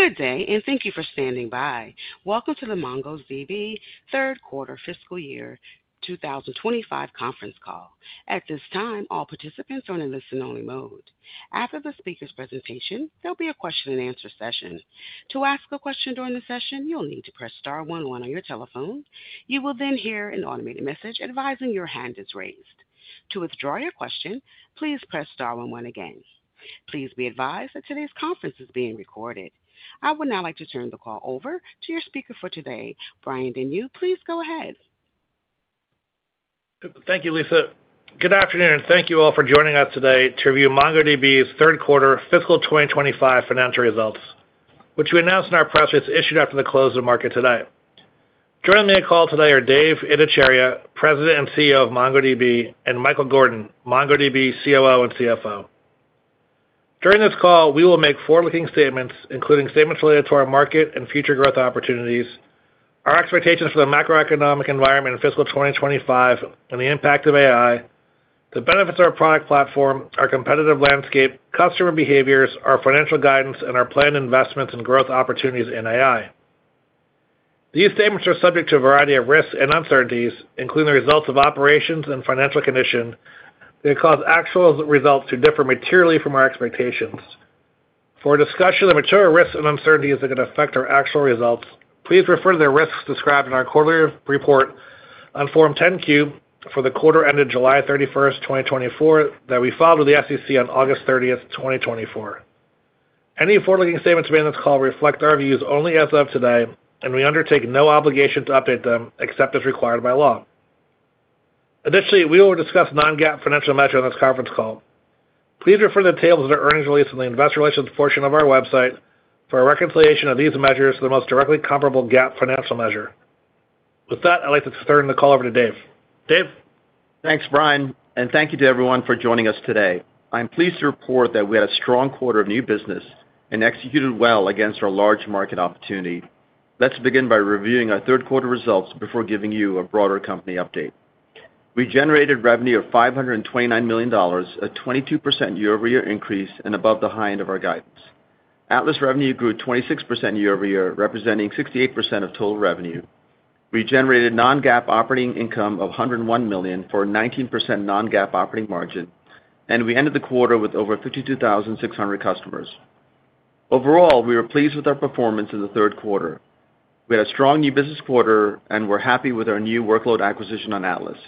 Good day, and thank you for standing by. Welcome to the MongoDB Third Quarter Fiscal Year 2025 Conference Call. At this time, all participants are in a listen-only mode. After the speaker's presentation, there'll be a question-and-answer session. To ask a question during the session, you'll need to press star one one on your telephone. You will then hear an automated message advising your hand is raised. To withdraw your question, please press star one one again. Please be advised that today's conference is being recorded. I would now like to turn the call over to your speaker for today, Brian Denyeau. Please go ahead. Thank you, Lisa. Good afternoon, and thank you all for joining us today to review MongoDB's Third Quarter Fiscal 2025 financial results, which we announced in our press release issued after the close of the market today. Joining me on the call today are Dev Ittycheria, President and CEO of MongoDB, and Michael Gordon, MongoDB COO and CFO. During this call, we will make forward-looking statements, including statements related to our market and future growth opportunities, our expectations for the macroeconomic environment in Fiscal 2025, and the impact of AI, the benefits of our product platform, our competitive landscape, customer behaviors, our financial guidance, and our planned investments and growth opportunities in AI. These statements are subject to a variety of risks and uncertainties, including the results of operations and financial condition that cause actual results to differ materially from our expectations. For discussion of the material risks and uncertainties that could affect our actual results, please refer to the risks described in our quarterly report on Form 10-Q for the quarter ended July 31st, 2024, that we filed with the SEC on August 30th, 2024. Any forward-looking statements made in this call reflect our views only as of today, and we undertake no obligation to update them except as required by law. Additionally, we will discuss non-GAAP financial measures on this conference call. Please refer to the tables in our earnings release on the investor relations portion of our website for a reconciliation of these measures to the most directly comparable GAAP financial measure. With that, I'd like to turn the call over to Dev. Dev? Thanks, Brian, and thank you to everyone for joining us today. I'm pleased to report that we had a strong quarter of new business and executed well against our large market opportunity. Let's begin by reviewing our third quarter results before giving you a broader company update. We generated revenue of $529 million, a 22% year-over-year increase and above the high end of our guidance. Atlas revenue grew 26% year-over-year, representing 68% of total revenue. We generated non-GAAP operating income of $101 million for a 19% non-GAAP operating margin, and we ended the quarter with over 52,600 customers. Overall, we were pleased with our performance in the third quarter. We had a strong new business quarter, and we're happy with our new workload acquisition on Atlas.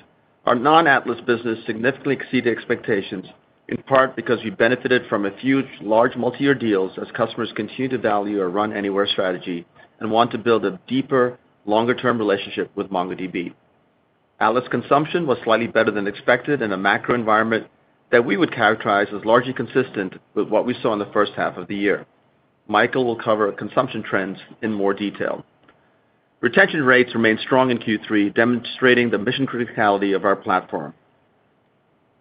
Our non-Atlas business significantly exceeded expectations, in part because we benefited from a few large multi-year deals as customers continue to value our run-anywhere strategy and want to build a deeper, longer-term relationship with MongoDB. Atlas consumption was slightly better than expected in a macro environment that we would characterize as largely consistent with what we saw in the first half of the year. Michael will cover consumption trends in more detail. Retention rates remained strong in Q3, demonstrating the mission criticality of our platform.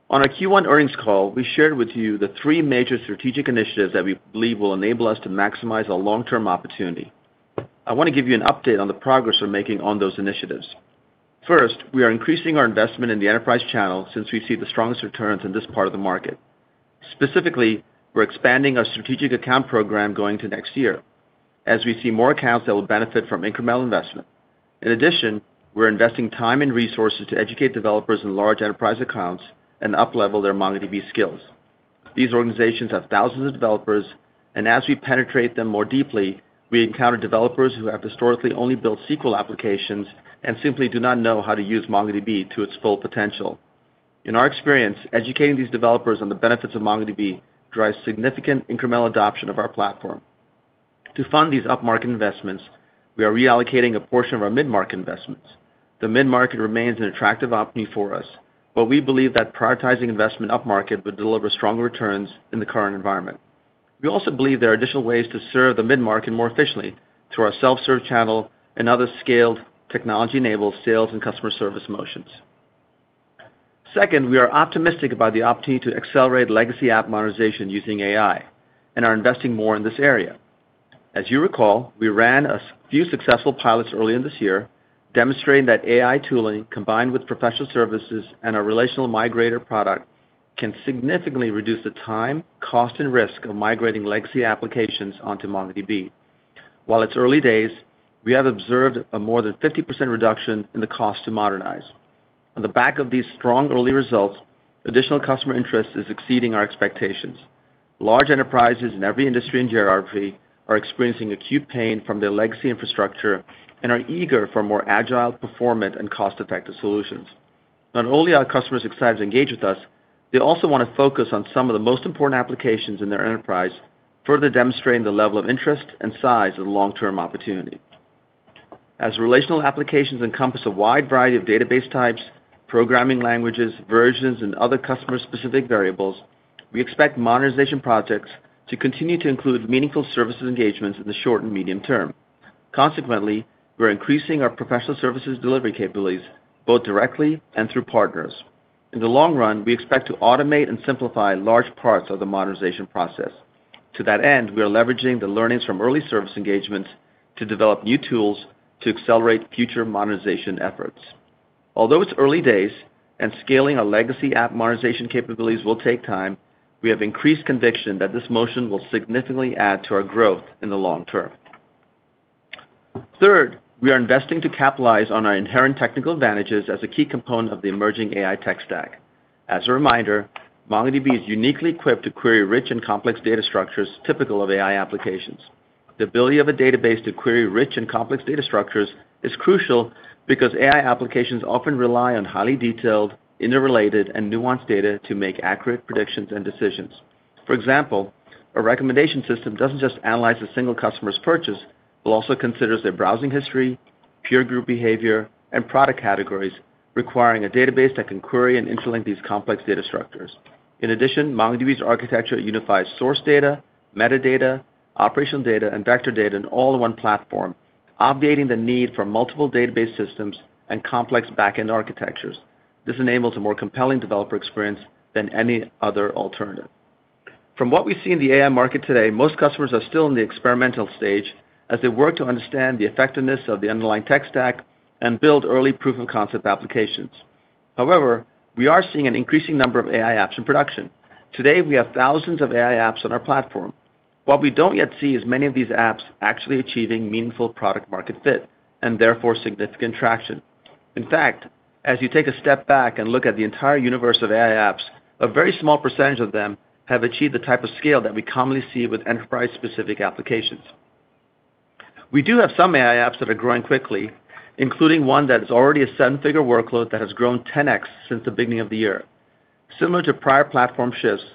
On our Q1 earnings call, we shared with you the three major strategic initiatives that we believe will enable us to maximize a long-term opportunity. I want to give you an update on the progress we're making on those initiatives. First, we are increasing our investment in the enterprise channel since we see the strongest returns in this part of the market. Specifically, we're expanding our strategic account program going into next year as we see more accounts that will benefit from incremental investment. In addition, we're investing time and resources to educate developers in large enterprise accounts and uplevel their MongoDB skills. These organizations have thousands of developers, and as we penetrate them more deeply, we encounter developers who have historically only built SQL applications and simply do not know how to use MongoDB to its full potential. In our experience, educating these developers on the benefits of MongoDB drives significant incremental adoption of our platform. To fund these up-market investments, we are reallocating a portion of our mid-market investments. The mid-market remains an attractive opportunity for us, but we believe that prioritizing investment up-market would deliver stronger returns in the current environment. We also believe there are additional ways to serve the mid-market more efficiently through our self-serve channel and other scaled technology-enabled sales and customer service motions. Second, we are optimistic about the opportunity to accelerate legacy app modernization using AI and are investing more in this area. As you recall, we ran a few successful pilots earlier this year, demonstrating that AI tooling combined with professional services and a relational migrator product can significantly reduce the time, cost, and risk of migrating legacy applications onto MongoDB. While it's early days, we have observed a more than 50% reduction in the cost to modernize. On the back of these strong early results, additional customer interest is exceeding our expectations. Large enterprises in every industry and geography are experiencing acute pain from their legacy infrastructure and are eager for more agile, performant, and cost-effective solutions. Not only are customers excited to engage with us, they also want to focus on some of the most important applications in their enterprise, further demonstrating the level of interest and size of the long-term opportunity. As relational applications encompass a wide variety of database types, programming languages, versions, and other customer-specific variables, we expect modernization projects to continue to include meaningful service engagements in the short and medium term. Consequently, we're increasing our professional services delivery capabilities both directly and through partners. In the long run, we expect to automate and simplify large parts of the modernization process. To that end, we are leveraging the learnings from early service engagements to develop new tools to accelerate future modernization efforts. Although it's early days and scaling our legacy app modernization capabilities will take time, we have increased conviction that this motion will significantly add to our growth in the long term. Third, we are investing to capitalize on our inherent technical advantages as a key component of the emerging AI tech stack. As a reminder, MongoDB is uniquely equipped to query rich and complex data structures typical of AI applications. The ability of a database to query rich and complex data structures is crucial because AI applications often rely on highly detailed, interrelated, and nuanced data to make accurate predictions and decisions. For example, a recommendation system doesn't just analyze a single customer's purchase but also considers their browsing history, peer group behavior, and product categories, requiring a database that can query and interlink these complex data structures. In addition, MongoDB's architecture unifies source data, metadata, operational data, and vector data in an all-in-one platform, obviating the need for multiple database systems and complex backend architectures. This enables a more compelling developer experience than any other alternative. From what we see in the AI market today, most customers are still in the experimental stage as they work to understand the effectiveness of the underlying tech stack and build early proof-of-concept applications. However, we are seeing an increasing number of AI apps in production. Today, we have thousands of AI apps on our platform. What we don't yet see is many of these apps actually achieving meaningful product-market fit and therefore significant traction. In fact, as you take a step back and look at the entire universe of AI apps, a very small percentage of them have achieved the type of scale that we commonly see with enterprise-specific applications. We do have some AI apps that are growing quickly, including one that is already a seven-figure workload that has grown 10x since the beginning of the year. Similar to prior platform shifts,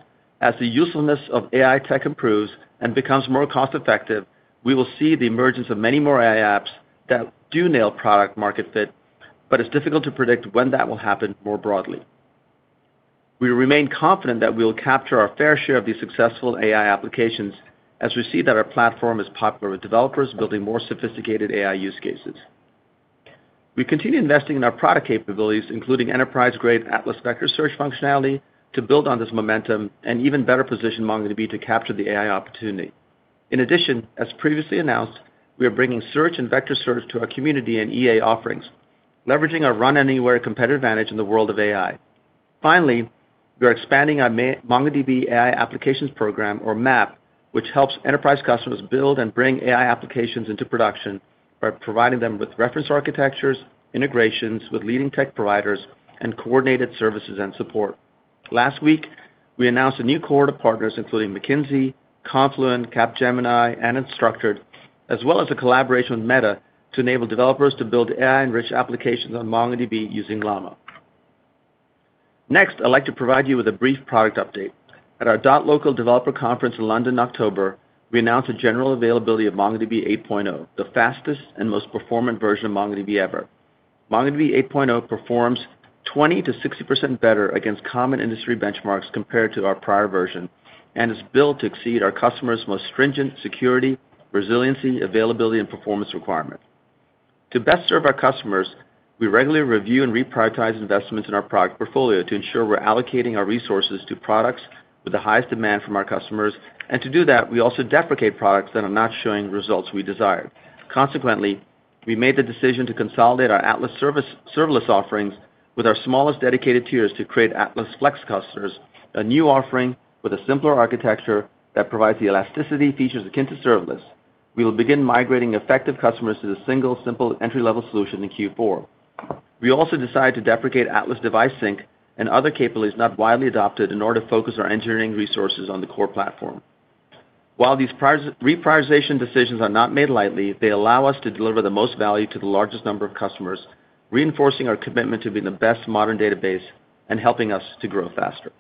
as the usefulness of AI tech improves and becomes more cost-effective, we will see the emergence of many more AI apps that do nail product-market fit, but it's difficult to predict when that will happen more broadly. We remain confident that we will capture our fair share of these successful AI applications as we see that our platform is popular with developers building more sophisticated AI use cases. We continue investing in our product capabilities, including enterprise-grade Atlas vector search functionality, to build on this momentum and even better position MongoDB to capture the AI opportunity. In addition, as previously announced, we are bringing search and vector search to our community and EA offerings, leveraging our run-anywhere competitive advantage in the world of AI. Finally, we are expanding our MongoDB AI Applications Program, or MAAP, which helps enterprise customers build and bring AI applications into production by providing them with reference architectures, integrations with leading tech providers, and coordinated services and support. Last week, we announced a new cohort of partners, including McKinsey, Confluent, Capgemini, and Instructure, as well as a collaboration with Meta to enable developers to build AI-enriched applications on MongoDB using Llama. Next, I'd like to provide you with a brief product update. At our MongoDB.local developer conference in London in October, we announced the general availability of MongoDB 8.0, the fastest and most performant version of MongoDB ever. MongoDB 8.0 performs 20%-60% better against common industry benchmarks compared to our prior version and is built to exceed our customers' most stringent security, resiliency, availability, and performance requirements. To best serve our customers, we regularly review and reprioritize investments in our product portfolio to ensure we're allocating our resources to products with the highest demand from our customers, and to do that, we also deprecate products that are not showing results we desire. Consequently, we made the decision to consolidate our Atlas serverless offerings with our smallest dedicated tiers to create Atlas Flex clusters, a new offering with a simpler architecture that provides the elasticity features akin to serverless. We will begin migrating existing customers to the single, simple entry-level solution in Q4. We also decided to deprecate Atlas Device Sync and other capabilities not widely adopted in order to focus our engineering resources on the core platform. While these reprioritization decisions are not made lightly, they allow us to deliver the most value to the largest number of customers, reinforcing our commitment to being the best modern database and helping us to grow faster.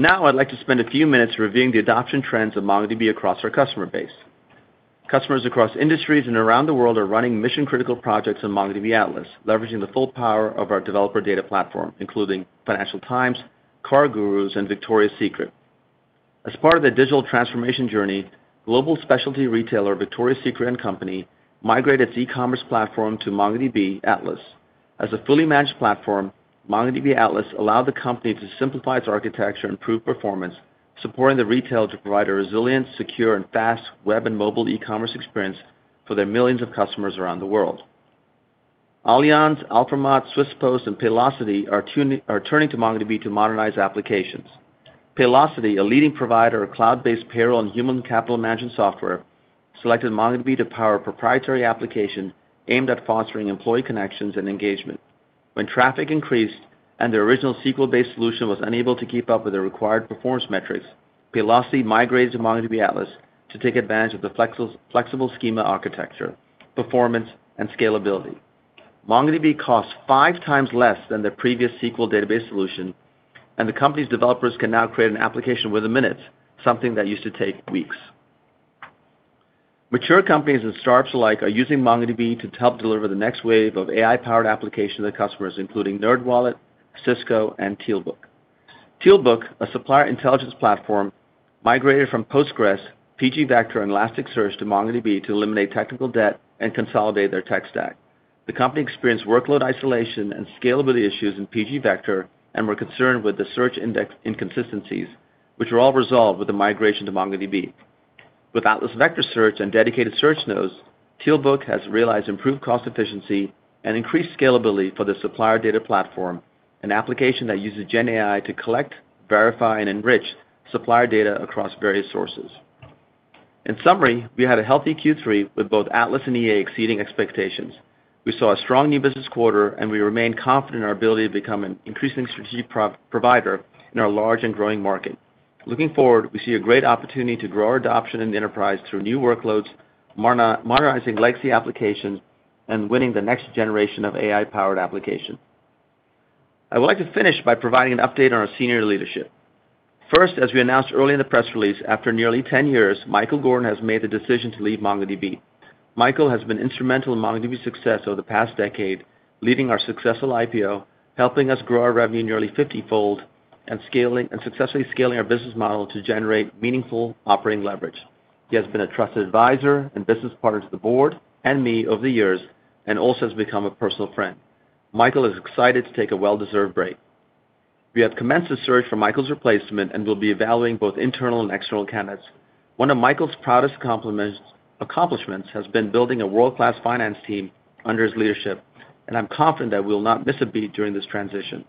Now, I'd like to spend a few minutes reviewing the adoption trends of MongoDB across our customer base. Customers across industries and around the world are running mission-critical projects on MongoDB Atlas, leveraging the full power of our developer data platform, including Financial Times, CarGurus, and Victoria's Secret. As part of their digital transformation journey, global specialty retailer Victoria's Secret & Company migrated its e-commerce platform to MongoDB Atlas. As a fully managed platform, MongoDB Atlas allowed the company to simplify its architecture and improve performance, supporting the retailer to provide a resilient, secure, and fast web and mobile e-commerce experience for their millions of customers around the world. Allianz, Alstom, Swiss Post, and Paylocity are turning to MongoDB to modernize applications. Paylocity, a leading provider of cloud-based payroll and human capital management software, selected MongoDB to power a proprietary application aimed at fostering employee connections and engagement. When traffic increased and the original SQL-based solution was unable to keep up with the required performance metrics, Paylocity migrated to MongoDB Atlas to take advantage of the flexible schema architecture, performance, and scalability. MongoDB costs five times less than their previous SQL database solution, and the company's developers can now create an application within minutes, something that used to take weeks. Mature companies and startups alike are using MongoDB to help deliver the next wave of AI-powered applications to their customers, including NerdWallet, Cisco, and TealBook. TealBook, a supplier intelligence platform, migrated from Postgres, pgvector, and Elasticsearch to MongoDB to eliminate technical debt and consolidate their tech stack. The company experienced workload isolation and scalability issues in pgvector and were concerned with the search index inconsistencies, which were all resolved with the migration to MongoDB. With Atlas Vector Search and dedicated search nodes, TealBook has realized improved cost efficiency and increased scalability for the supplier data platform, an application that uses GenAI to collect, verify, and enrich supplier data across various sources. In summary, we had a healthy Q3 with both Atlas and EA exceeding expectations. We saw a strong new business quarter, and we remain confident in our ability to become an increasingly strategic provider in our large and growing market. Looking forward, we see a great opportunity to grow our adoption in the enterprise through new workloads, modernizing legacy applications, and winning the next generation of AI-powered applications. I would like to finish by providing an update on our senior leadership. First, as we announced early in the press release, after nearly 10 years, Michael Gordon has made the decision to leave MongoDB. Michael has been instrumental in MongoDB's success over the past decade, leading our successful IPO, helping us grow our revenue nearly 50-fold, and successfully scaling our business model to generate meaningful operating leverage. He has been a trusted advisor and business partner to the board and me over the years and also has become a personal friend. Michael is excited to take a well-deserved break. We have commenced the search for Michael's replacement and will be evaluating both internal and external candidates. One of Michael's proudest accomplishments has been building a world-class finance team under his leadership, and I'm confident that we will not miss a beat during this transition.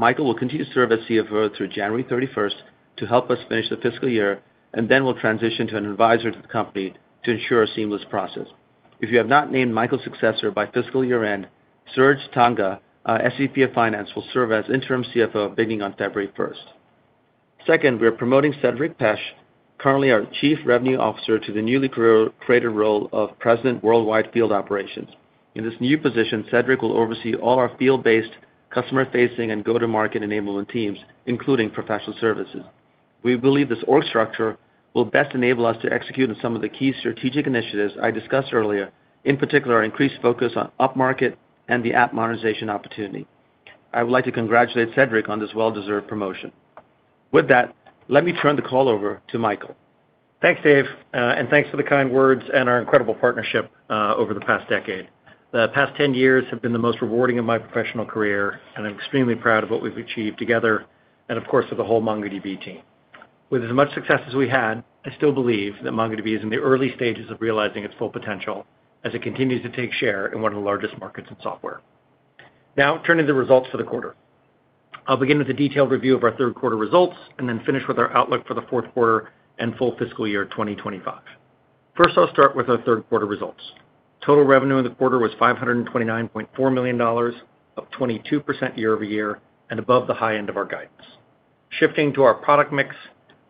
Michael will continue to serve as CFO through January 31st to help us finish the fiscal year and then will transition to an advisor to the company to ensure a seamless process. If you have not named Michael's successor by fiscal year end, Serge Tanjga, SVP of Finance, will serve as interim CFO beginning on February 1st. Second, we are promoting Cedric Pech, currently our Chief Revenue Officer, to the newly created role of President Worldwide Field Operations. In this new position, Cedric will oversee all our field-based customer-facing and go-to-market enablement teams, including professional services. We believe this org structure will best enable us to execute on some of the key strategic initiatives I discussed earlier, in particular our increased focus on up-market and the app modernization opportunity. I would like to congratulate Cedric on this well-deserved promotion. With that, let me turn the call over to Michael. Thanks, Dev, and thanks for the kind words and our incredible partnership over the past decade. The past 10 years have been the most rewarding of my professional career, and I'm extremely proud of what we've achieved together and, of course, for the whole MongoDB team. With as much success as we had, I still believe that MongoDB is in the early stages of realizing its full potential as it continues to take share in one of the largest markets in software. Now, turning to the results for the quarter, I'll begin with a detailed review of our third quarter results and then finish with our outlook for the fourth quarter and full fiscal year 2025. First, I'll start with our third quarter results. Total revenue in the quarter was $529.4 million, up 22% year-over-year and above the high end of our guidance. Shifting to our product mix,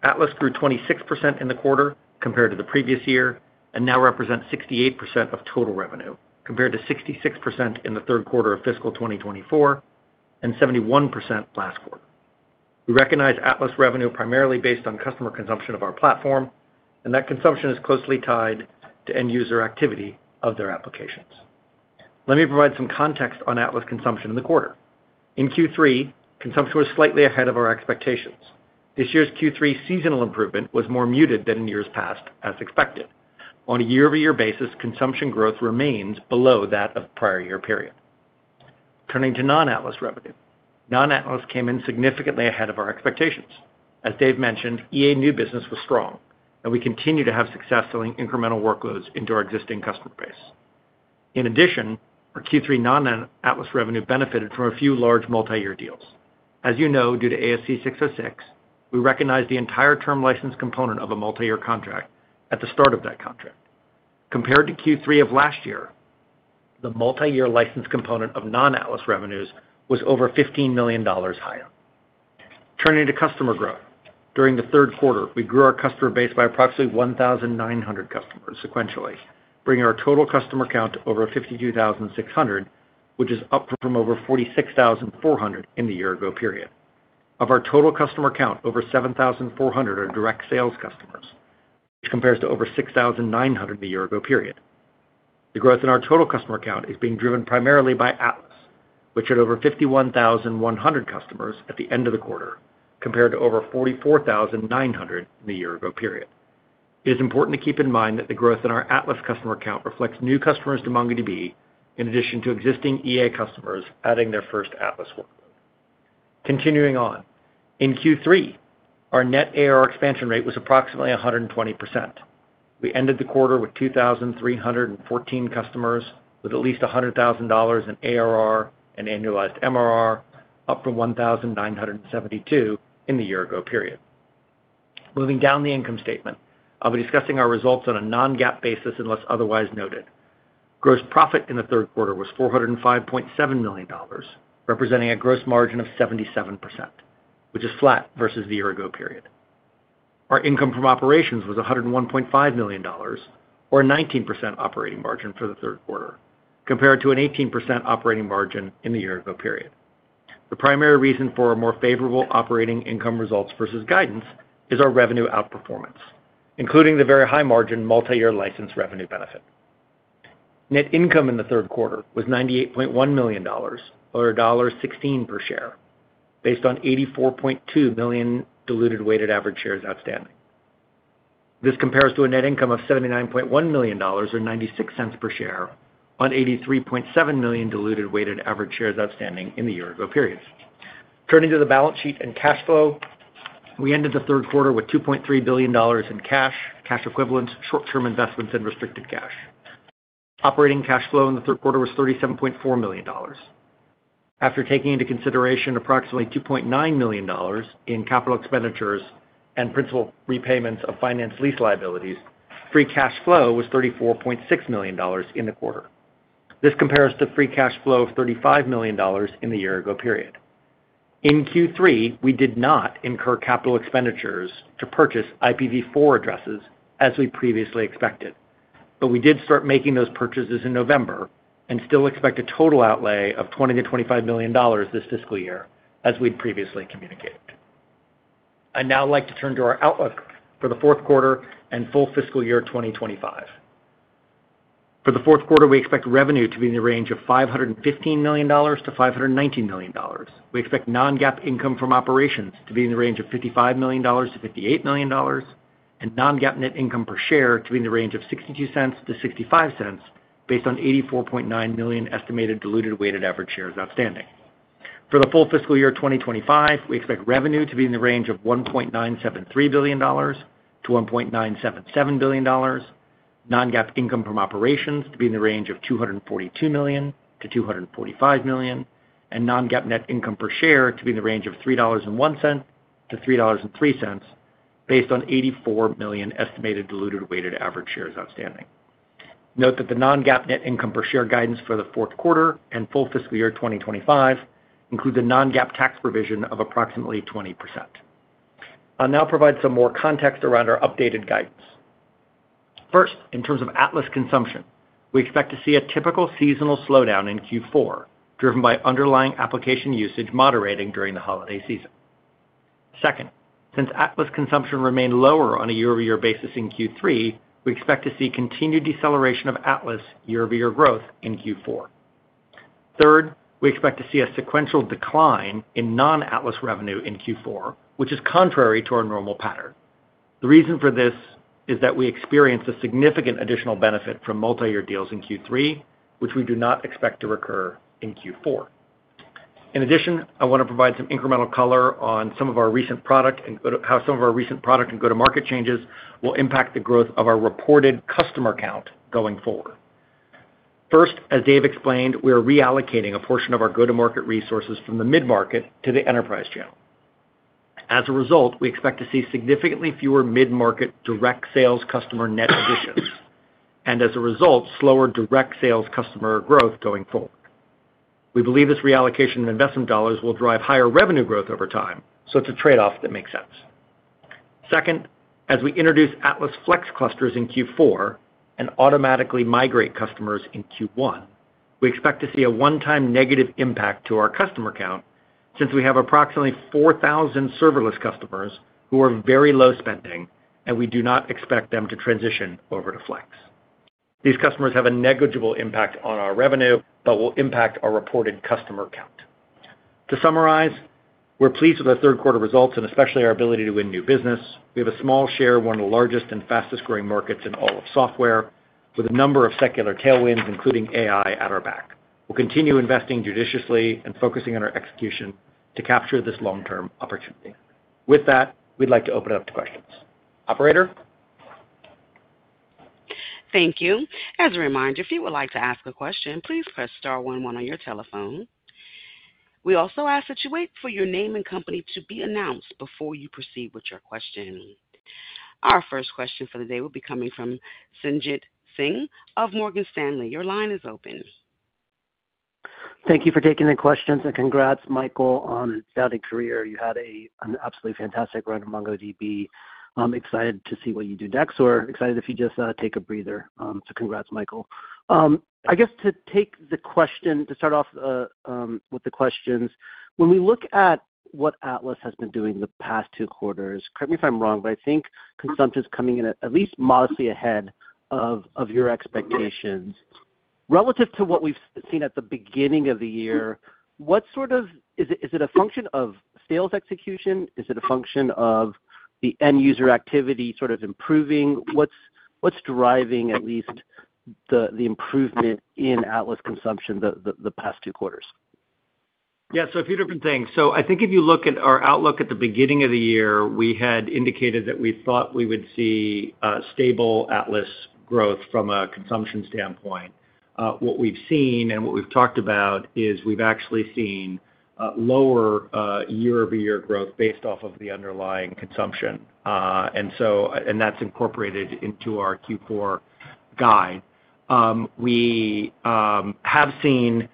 Atlas grew 26% in the quarter compared to the previous year and now represents 68% of total revenue, compared to 66% in the third quarter of fiscal 2024 and 71% last quarter. We recognize Atlas revenue primarily based on customer consumption of our platform, and that consumption is closely tied to end-user activity of their applications. Let me provide some context on Atlas consumption in the quarter. In Q3, consumption was slightly ahead of our expectations. This year's Q3 seasonal improvement was more muted than in years past, as expected. On a year-over-year basis, consumption growth remains below that of the prior year period. Turning to non-Atlas revenue, non-Atlas came in significantly ahead of our expectations. As Dev mentioned, EA new business was strong, and we continue to have success selling incremental workloads into our existing customer base. In addition, our Q3 non-Atlas revenue benefited from a few large multi-year deals. As you know, due to ASC 606, we recognized the entire term license component of a multi-year contract at the start of that contract. Compared to Q3 of last year, the multi-year license component of non-Atlas revenues was over $15 million higher. Turning to customer growth, during the third quarter, we grew our customer base by approximately 1,900 customers sequentially, bringing our total customer count to over 52,600, which is up from over 46,400 in the year-ago period. Of our total customer count, over 7,400 are direct sales customers, which compares to over 6,900 in the year-ago period. The growth in our total customer count is being driven primarily by Atlas, which had over 51,100 customers at the end of the quarter, compared to over 44,900 in the year-ago period. It is important to keep in mind that the growth in our Atlas customer count reflects new customers to MongoDB, in addition to existing EA customers adding their first Atlas workload. Continuing on, in Q3, our net ARR expansion rate was approximately 120%. We ended the quarter with 2,314 customers with at least $100,000 in ARR and annualized MRR, up from $1,972 in the year-ago period. Moving down the income statement, I'll be discussing our results on a non-GAAP basis unless otherwise noted. Gross profit in the third quarter was $405.7 million, representing a gross margin of 77%, which is flat versus the year-ago period. Our income from operations was $101.5 million, or a 19% operating margin for the third quarter, compared to an 18% operating margin in the year-ago period. The primary reason for our more favorable operating income results versus guidance is our revenue outperformance, including the very high margin multi-year license revenue benefit. Net income in the third quarter was $98.1 million, or $1.60 per share, based on 84.2 million diluted weighted average shares outstanding. This compares to a net income of $79.1 million, or $0.96 per share, on 83.7 million diluted weighted average shares outstanding in the year-ago period. Turning to the balance sheet and cash flow, we ended the third quarter with $2.3 billion in cash, cash equivalents, short-term investments, and restricted cash. Operating cash flow in the third quarter was $37.4 million. After taking into consideration approximately $2.9 million in capital expenditures and principal repayments of financed lease liabilities, free cash flow was $34.6 million in the quarter. This compares to free cash flow of $35 million in the year-ago period. In Q3, we did not incur capital expenditures to purchase IPv4 addresses as we previously expected, but we did start making those purchases in November and still expect a total outlay of $20 million-$25 million this fiscal year, as we'd previously communicated. I'd now like to turn to our outlook for the fourth quarter and full fiscal year 2025. For the fourth quarter, we expect revenue to be in the range of $515 million-$519 million. We expect non-GAAP income from operations to be in the range of $55 million-$58 million, and non-GAAP net income per share to be in the range of $0.62-$0.65, based on 84.9 million estimated diluted weighted average shares outstanding. For the full fiscal year 2025, we expect revenue to be in the range of $1.973 billion-$1.977 billion, non-GAAP income from operations to be in the range of $242 million-$245 million, and non-GAAP net income per share to be in the range of $3.01-$3.03, based on 84 million estimated diluted weighted average shares outstanding. Note that the non-GAAP net income per share guidance for the fourth quarter and full fiscal year 2025 includes a non-GAAP tax provision of approximately 20%. I'll now provide some more context around our updated guidance. First, in terms of Atlas consumption, we expect to see a typical seasonal slowdown in Q4, driven by underlying application usage moderating during the holiday season. Second, since Atlas consumption remained lower on a year-over-year basis in Q3, we expect to see continued deceleration of Atlas year-over-year growth in Q4. Third, we expect to see a sequential decline in non-Atlas revenue in Q4, which is contrary to our normal pattern. The reason for this is that we experienced a significant additional benefit from multi-year deals in Q3, which we do not expect to recur in Q4. In addition, I want to provide some incremental color on some of our recent product and how go-to-market changes will impact the growth of our reported customer count going forward. First, as Dev explained, we are reallocating a portion of our go-to-market resources from the mid-market to the enterprise channel. As a result, we expect to see significantly fewer mid-market direct sales customer net additions and, as a result, slower direct sales customer growth going forward. We believe this reallocation of investment dollars will drive higher revenue growth over time, so it's a trade-off that makes sense. Second, as we introduce Atlas Flex clusters in Q4 and automatically migrate customers in Q1, we expect to see a one-time negative impact to our customer count since we have approximately 4,000 serverless customers who are very low spending, and we do not expect them to transition over to Flex. These customers have a negligible impact on our revenue but will impact our reported customer count. To summarize, we're pleased with our third quarter results and especially our ability to win new business. We have a small share of one of the largest and fastest-growing markets in all of software, with a number of secular tailwinds, including AI, at our back. We'll continue investing judiciously and focusing on our execution to capture this long-term opportunity. With that, we'd like to open it up to questions. Operator? Thank you. As a reminder, if you would like to ask a question, please press star one one on your telephone. We also ask that you wait for your name and company to be announced before you proceed with your question. Our first question for the day will be coming from Sanjit Singh of Morgan Stanley. Your line is open. Thank you for taking the questions, and congrats, Michael. Undoubtedly, you had an absolutely fantastic run at MongoDB. I'm excited to see what you do next, or excited if you just take a breather. So congrats, Michael. I guess to take the question, to start off with the questions. When we look at what Atlas has been doing the past two quarters, correct me if I'm wrong, but I think consumption is coming in at least modestly ahead of your expectations. Relative to what we've seen at the beginning of the year, what sort of is it a function of sales execution? Is it a function of the end-user activity sort of improving? What's driving at least the improvement in Atlas consumption the past two quarters? Yeah, so a few different things. So I think if you look at our outlook at the beginning of the year, we had indicated that we thought we would see stable Atlas growth from a consumption standpoint. What we've seen and what we've talked about is we've actually seen lower year-over-year growth based off of the underlying consumption, and that's incorporated into our Q4 guide. We have seen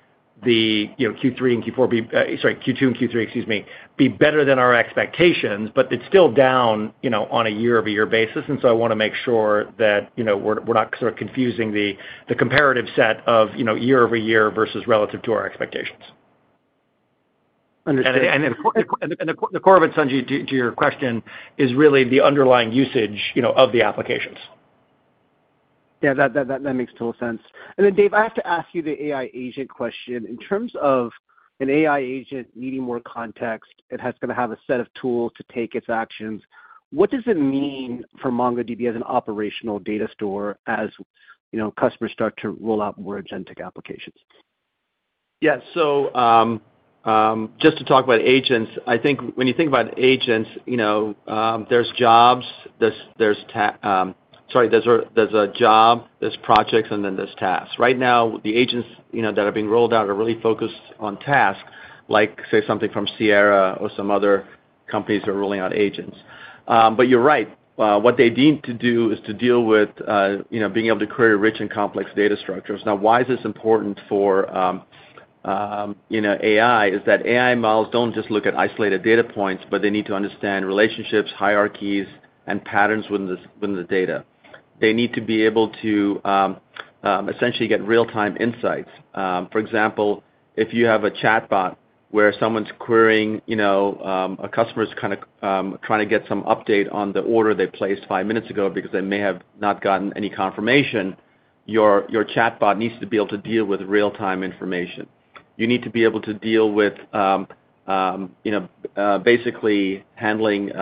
the Q3 and Q4 be sorry, Q2 and Q3, excuse me, be better than our expectations, but it's still down on a year-over-year basis. And so I want to make sure that we're not sort of confusing the comparative set of year-over-year versus relative to our expectations. Understood. The core of it, Sanjit, to your question, is really the underlying usage of the applications. Yeah, that makes total sense. And then, Dev, I have to ask you the AI agent question. In terms of an AI agent needing more context and has to have a set of tools to take its actions, what does it mean for MongoDB as an operational data store as customers start to roll out more agentic applications? Yeah, so just to talk about agents, I think when you think about agents, there's jobs, there's sorry, there's a job, there's projects, and then there's tasks. Right now, the agents that are being rolled out are really focused on tasks, like, say, something from Sierra or some other companies that are rolling out agents. But you're right. What they need to do is to deal with being able to create rich and complex data structures. Now, why is this important for AI? It's that AI models don't just look at isolated data points, but they need to understand relationships, hierarchies, and patterns within the data. They need to be able to essentially get real-time insights. For example, if you have a chatbot where someone's querying a customer's kind of trying to get some update on the order they placed five minutes ago because they may have not gotten any confirmation, your chatbot needs to be able to deal with real-time information. You need to be able to deal with basically handling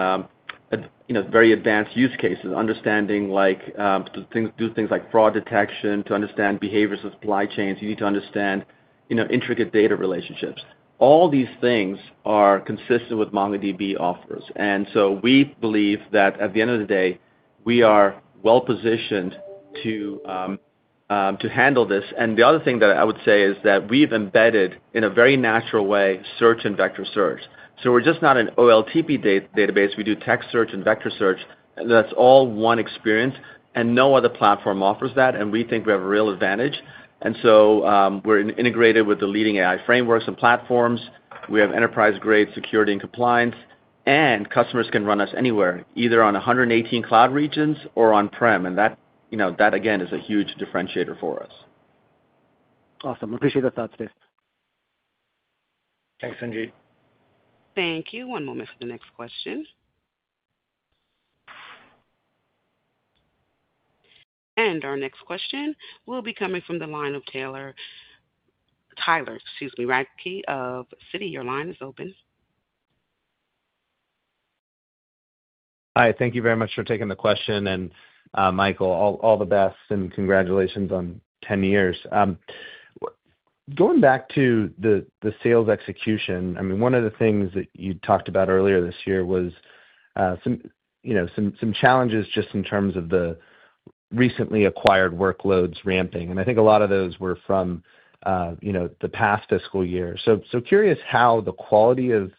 very advanced use cases, understanding to do things like fraud detection, to understand behaviors of supply chains. You need to understand intricate data relationships. All these things are consistent with MongoDB offers. And so we believe that at the end of the day, we are well-positioned to handle this. And the other thing that I would say is that we've embedded in a very natural way search and vector search. So we're just not an OLTP database. We do text search and vector search. That's all one experience, and no other platform offers that, and we think we have a real advantage. And so we're integrated with the leading AI frameworks and platforms. We have enterprise-grade security and compliance, and customers can run us anywhere, either on 118 cloud regions or on-prem. And that, again, is a huge differentiator for us. Awesome. Appreciate the thoughts, Dev. Thanks, Sanjit. Thank you. One moment for the next question. Our next question will be coming from the line of Tyler Radke of Citi. Your line is open. Hi. Thank you very much for taking the question and, Michael, all the best, and congratulations on 10 years. Going back to the sales execution, I mean, one of the things that you talked about earlier this year was some challenges just in terms of the recently acquired workloads ramping, and I think a lot of those were from the past fiscal year, so curious how the quality of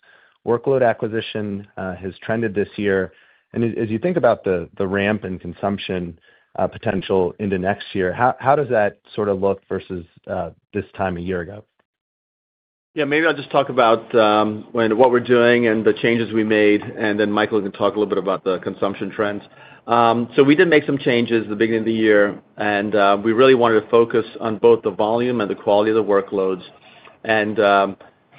workload acquisition has trended this year, and as you think about the ramp in consumption potential into next year, how does that sort of look versus this time a year ago? Yeah, maybe I'll just talk about what we're doing and the changes we made, and then Michael can talk a little bit about the consumption trends. So we did make some changes at the beginning of the year, and we really wanted to focus on both the volume and the quality of the workloads.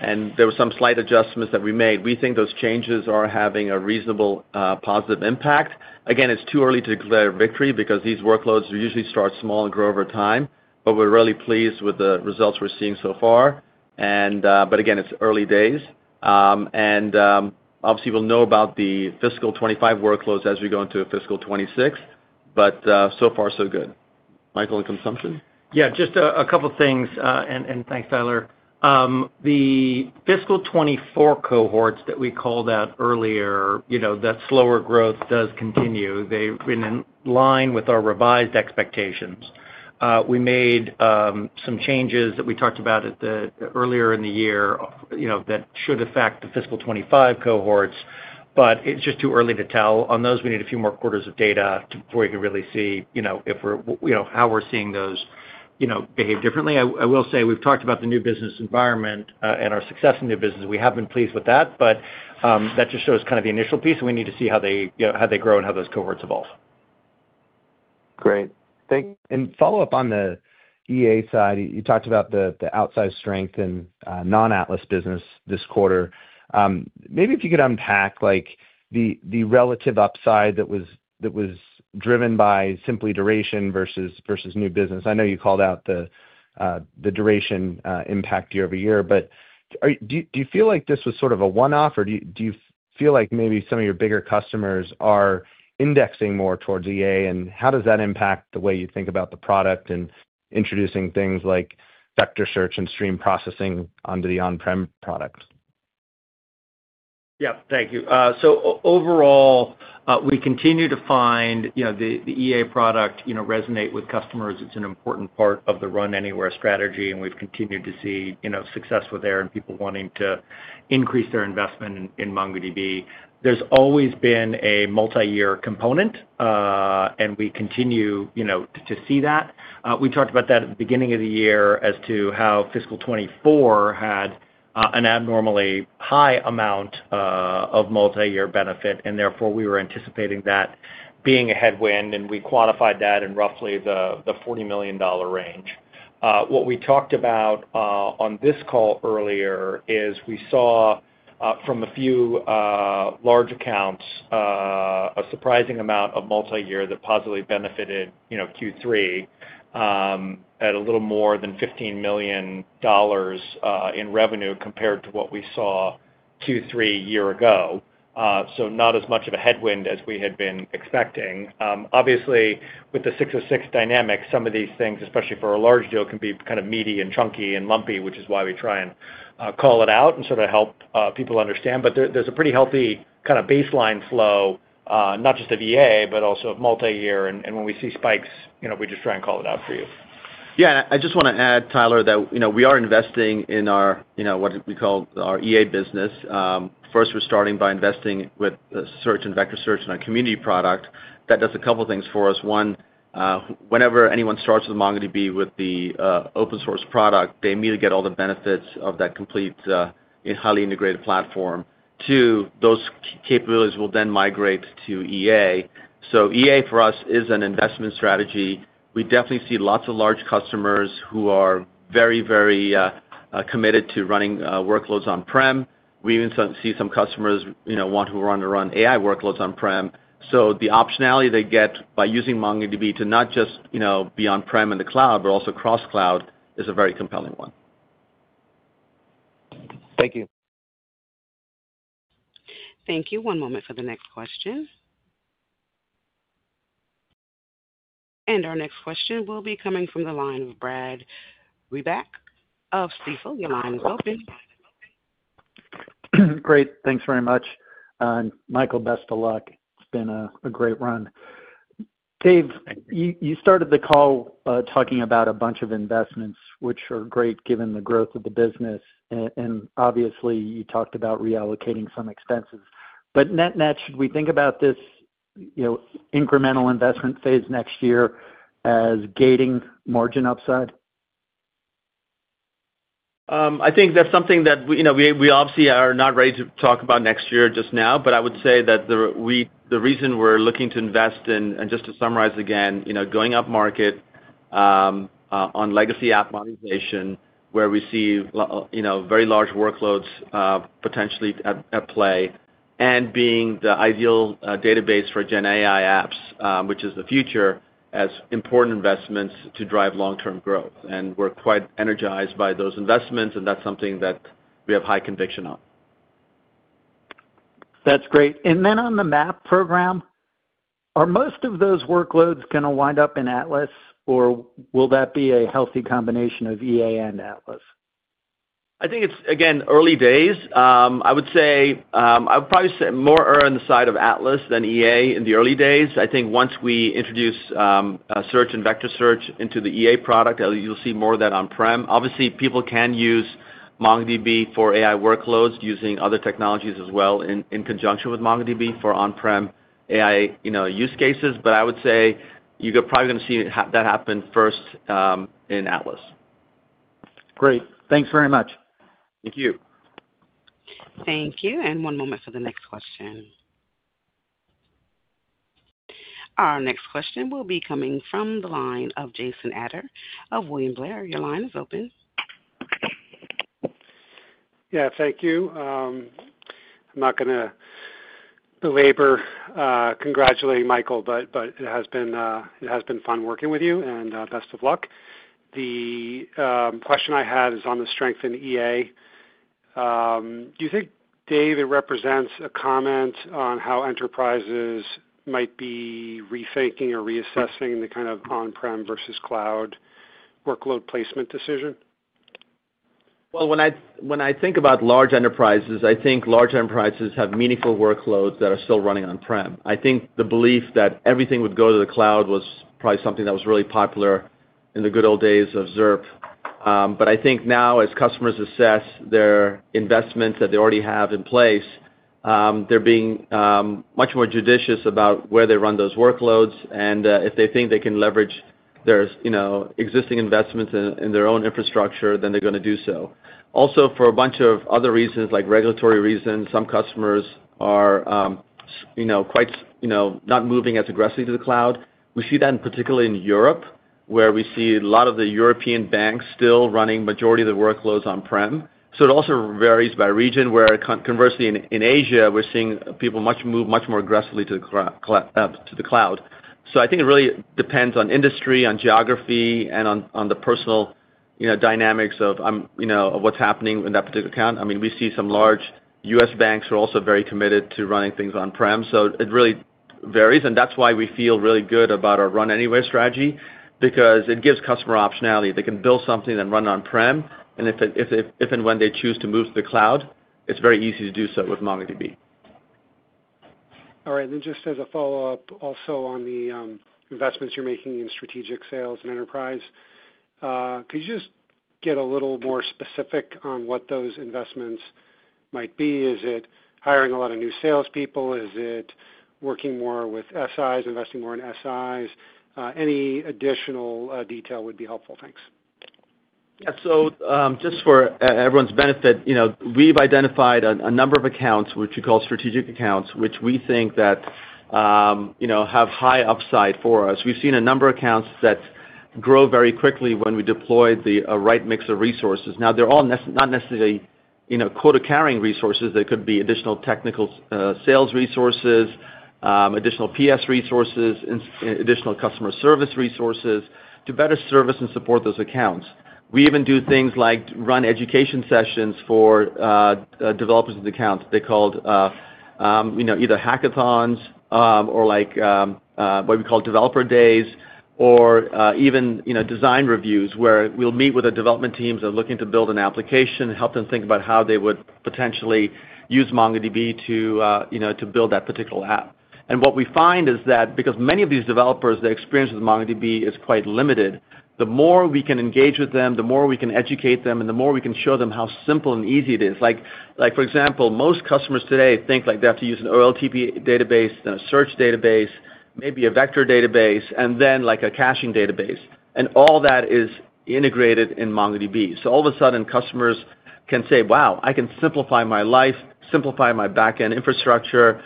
And there were some slight adjustments that we made. We think those changes are having a reasonable positive impact. Again, it's too early to declare a victory because these workloads usually start small and grow over time, but we're really pleased with the results we're seeing so far. But again, it's early days. And obviously, we'll know about the fiscal 2025 workloads as we go into fiscal 2026, but so far, so good. Michael and consumption? Yeah, just a couple of things, and thanks, Tyler. The fiscal 2024 cohorts that we called out earlier, that slower growth does continue. They've been in line with our revised expectations. We made some changes that we talked about earlier in the year that should affect the fiscal 2025 cohorts, but it's just too early to tell. On those, we need a few more quarters of data before we can really see how we're seeing those behave differently. I will say we've talked about the new business environment and our success in new business. We have been pleased with that, but that just shows kind of the initial piece, and we need to see how they grow and how those cohorts evolve. Great. Thank you. And follow-up on the EA side, you talked about the outsized strength in non-Atlas business this quarter. Maybe if you could unpack the relative upside that was driven by simply duration versus new business. I know you called out the duration impact year-over-year, but do you feel like this was sort of a one-off, or do you feel like maybe some of your bigger customers are indexing more towards EA, and how does that impact the way you think about the product and introducing things like vector search and stream processing onto the on-prem product? Yeah, thank you. So overall, we continue to find the EA product resonates with customers. It's an important part of the run-anywhere strategy, and we've continued to see success with it and people wanting to increase their investment in MongoDB. There's always been a multi-year component, and we continue to see that. We talked about that at the beginning of the year as to how fiscal 2024 had an abnormally high amount of multi-year benefit, and therefore, we were anticipating that being a headwind, and we quantified that in roughly the $40 million range. What we talked about on this call earlier is we saw from a few large accounts a surprising amount of multi-year that positively benefited Q3 at a little more than $15 million in revenue compared to what we saw Q3 a year ago. So not as much of a headwind as we had been expecting. Obviously, with the 606 dynamic, some of these things, especially for a large deal, can be kind of meaty and chunky and lumpy, which is why we try and call it out and sort of help people understand. But there's a pretty healthy kind of baseline flow, not just of EA, but also of multi-year. And when we see spikes, we just try and call it out for you. Yeah, and I just want to add, Tyler, that we are investing in what we call our EA business. First, we're starting by investing with search and vector search in our community product. That does a couple of things for us. One, whenever anyone starts with MongoDB with the open-source product, they immediately get all the benefits of that complete and highly integrated platform. Two, those capabilities will then migrate to EA. So EA for us is an investment strategy. We definitely see lots of large customers who are very, very committed to running workloads on-prem. We even see some customers who want to run AI workloads on-prem, so the optionality they get by using MongoDB to not just be on-prem in the cloud, but also cross-cloud, is a very compelling one. Thank you. Thank you. One moment for the next question. And our next question will be coming from the line of Brad Reback of Stifel. Your line is open. Great. Thanks very much, and Michael, best of luck. It's been a great run. Dev, you started the call talking about a bunch of investments, which are great given the growth of the business, and obviously, you talked about reallocating some expenses, but net-net, should we think about this incremental investment phase next year as gating margin upside? I think that's something that we obviously are not ready to talk about next year just now, but I would say that the reason we're looking to invest, and just to summarize again, going up market on legacy app modernization where we see very large workloads potentially at play and being the ideal database for GenAI apps, which is the future, as important investments to drive long-term growth, and we're quite energized by those investments, and that's something that we have high conviction on. That's great. And then on the MAAP program, are most of those workloads going to wind up in Atlas, or will that be a healthy combination of EA and Atlas? I think it's, again, early days. I would say I would probably say more on the side of Atlas than EA in the early days. I think once we introduce search and vector search into the EA product, you'll see more of that on-prem. Obviously, people can use MongoDB for AI workloads using other technologies as well in conjunction with MongoDB for on-prem AI use cases. But I would say you're probably going to see that happen first in Atlas. Great. Thanks very much. Thank you. Thank you and one moment for the next question. Our next question will be coming from the line of Jason Ader of William Blair. Your line is open. Yeah, thank you. I'm not going to belabor congratulating Michael, but it has been fun working with you, and best of luck. The question I had is on the strength in EA. Do you think, Dev, it represents a comment on how enterprises might be rethinking or reassessing the kind of on-prem versus cloud workload placement decision? When I think about large enterprises, I think large enterprises have meaningful workloads that are still running on-prem. I think the belief that everything would go to the cloud was probably something that was really popular in the good old days of ZIRP. I think now, as customers assess their investments that they already have in place, they're being much more judicious about where they run those workloads. If they think they can leverage their existing investments in their own infrastructure, then they're going to do so. Also, for a bunch of other reasons, like regulatory reasons, some customers are not quite moving as aggressively to the cloud. We see that particularly in Europe, where we see a lot of the European banks still running the majority of the workloads on-prem. So it also varies by region where, conversely, in Asia, we're seeing people move much more aggressively to the cloud. So I think it really depends on industry, on geography, and on the personal dynamics of what's happening in that particular account. I mean, we see some large U.S. banks who are also very committed to running things on-prem. So it really varies. And that's why we feel really good about our run-anywhere strategy because it gives customer optionality. They can build something and run on-prem. And if and when they choose to move to the cloud, it's very easy to do so with MongoDB. All right. And just as a follow-up, also on the investments you're making in strategic sales and enterprise, could you just get a little more specific on what those investments might be? Is it hiring a lot of new salespeople? Is it working more with SIs, investing more in SIs? Any additional detail would be helpful. Thanks. Yeah. So just for everyone's benefit, we've identified a number of accounts, which we call strategic accounts, which we think that have high upside for us. We've seen a number of accounts that grow very quickly when we deploy the right mix of resources. Now, they're all not necessarily quota-carrying resources. They could be additional technical sales resources, additional PS resources, and additional customer service resources to better service and support those accounts. We even do things like run education sessions for developers of the accounts. They're called either hackathons or what we call developer days, or even design reviews where we'll meet with the development teams that are looking to build an application, help them think about how they would potentially use MongoDB to build that particular app. And what we find is that because many of these developers, their experience with MongoDB is quite limited, the more we can engage with them, the more we can educate them, and the more we can show them how simple and easy it is. For example, most customers today think they have to use an OLTP database, then a search database, maybe a vector database, and then a caching database. And all that is integrated in MongoDB. So all of a sudden, customers can say, "Wow, I can simplify my life, simplify my backend infrastructure,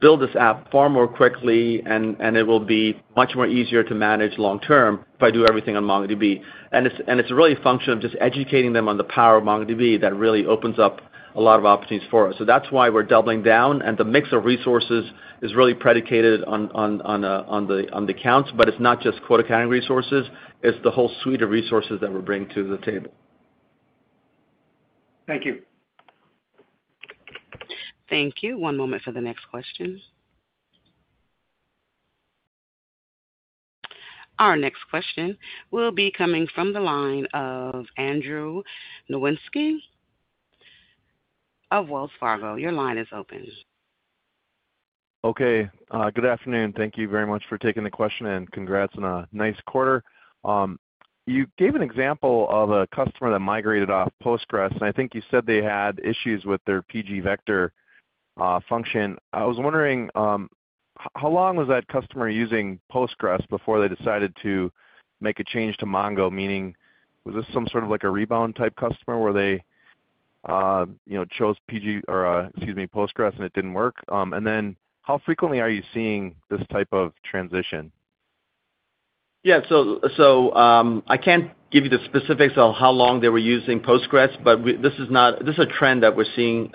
build this app far more quickly, and it will be much more easier to manage long-term if I do everything on MongoDB." And it's really a function of just educating them on the power of MongoDB that really opens up a lot of opportunities for us. So that's why we're doubling down, and the mix of resources is really predicated on the accounts, but it's not just quota-carrying resources. It's the whole suite of resources that we're bringing to the table. Thank you. Thank you. One moment for the next question. Our next question will be coming from the line of Andrew Nowinski of Wells Fargo. Your line is open. Okay. Good afternoon. Thank you very much for taking the question and congrats on a nice quarter. You gave an example of a customer that migrated off Postgres, and I think you said they had issues with their pgvector function. I was wondering, how long was that customer using Postgres before they decided to make a change to Mongo? Meaning, was this some sort of a rebound-type customer where they chose pg or, excuse me, Postgres, and it didn't work? And then how frequently are you seeing this type of transition? Yeah, so I can't give you the specifics of how long they were using Postgres, but this is a trend that we're seeing in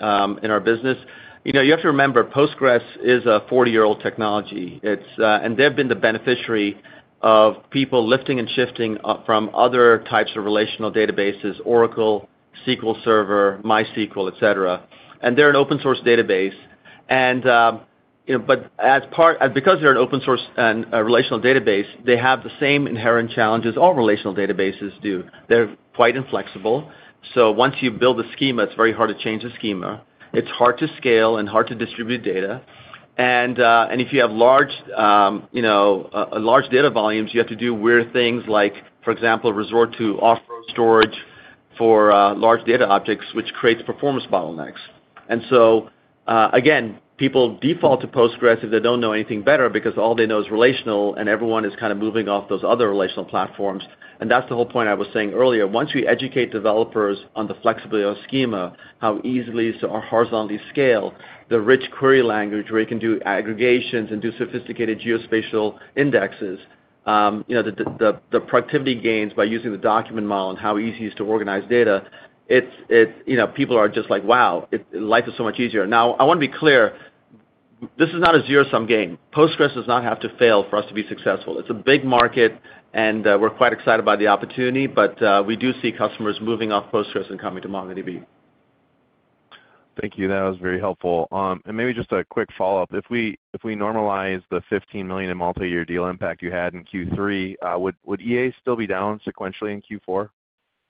our business. You have to remember, Postgres is a 40-year-old technology, and they've been the beneficiary of people lifting and shifting from other types of relational databases: Oracle, SQL Server, MySQL, etc. And they're an open-source database. But because they're an open-source and relational database, they have the same inherent challenges all relational databases do. They're quite inflexible. So once you build a schema, it's very hard to change the schema. It's hard to scale and hard to distribute data. And if you have large data volumes, you have to do weird things like, for example, resort to off-row storage for large data objects, which creates performance bottlenecks. And so again, people default to Postgres if they don't know anything better because all they know is relational, and everyone is kind of moving off those other relational platforms. And that's the whole point I was saying earlier. Once we educate developers on the flexibility of a schema, how easily or horizontally scale, the rich query language where you can do aggregations and do sophisticated geospatial indexes, the productivity gains by using the document model and how easy it is to organize data, people are just like, "Wow, life is so much easier." Now, I want to be clear. This is not a zero-sum game. Postgres does not have to fail for us to be successful. It's a big market, and we're quite excited about the opportunity, but we do see customers moving off Postgres and coming to MongoDB. Thank you. That was very helpful, and maybe just a quick follow-up. If we normalize the $15 million in multi-year deal impact you had in Q3, would EA still be down sequentially in Q4?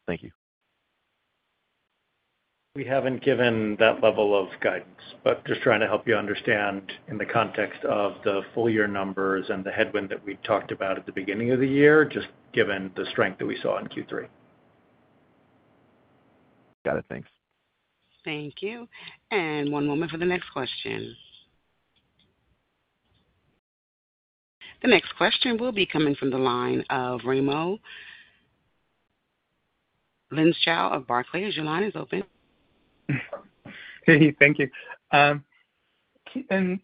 Thank you. We haven't given that level of guidance, but just trying to help you understand in the context of the full-year numbers and the headwind that we talked about at the beginning of the year, just given the strength that we saw in Q3. Got it. Thanks. Thank you, and one moment for the next question. The next question will be coming from the line of Raimo Lenschow of Barclays. Your line is open. Hey, thank you. And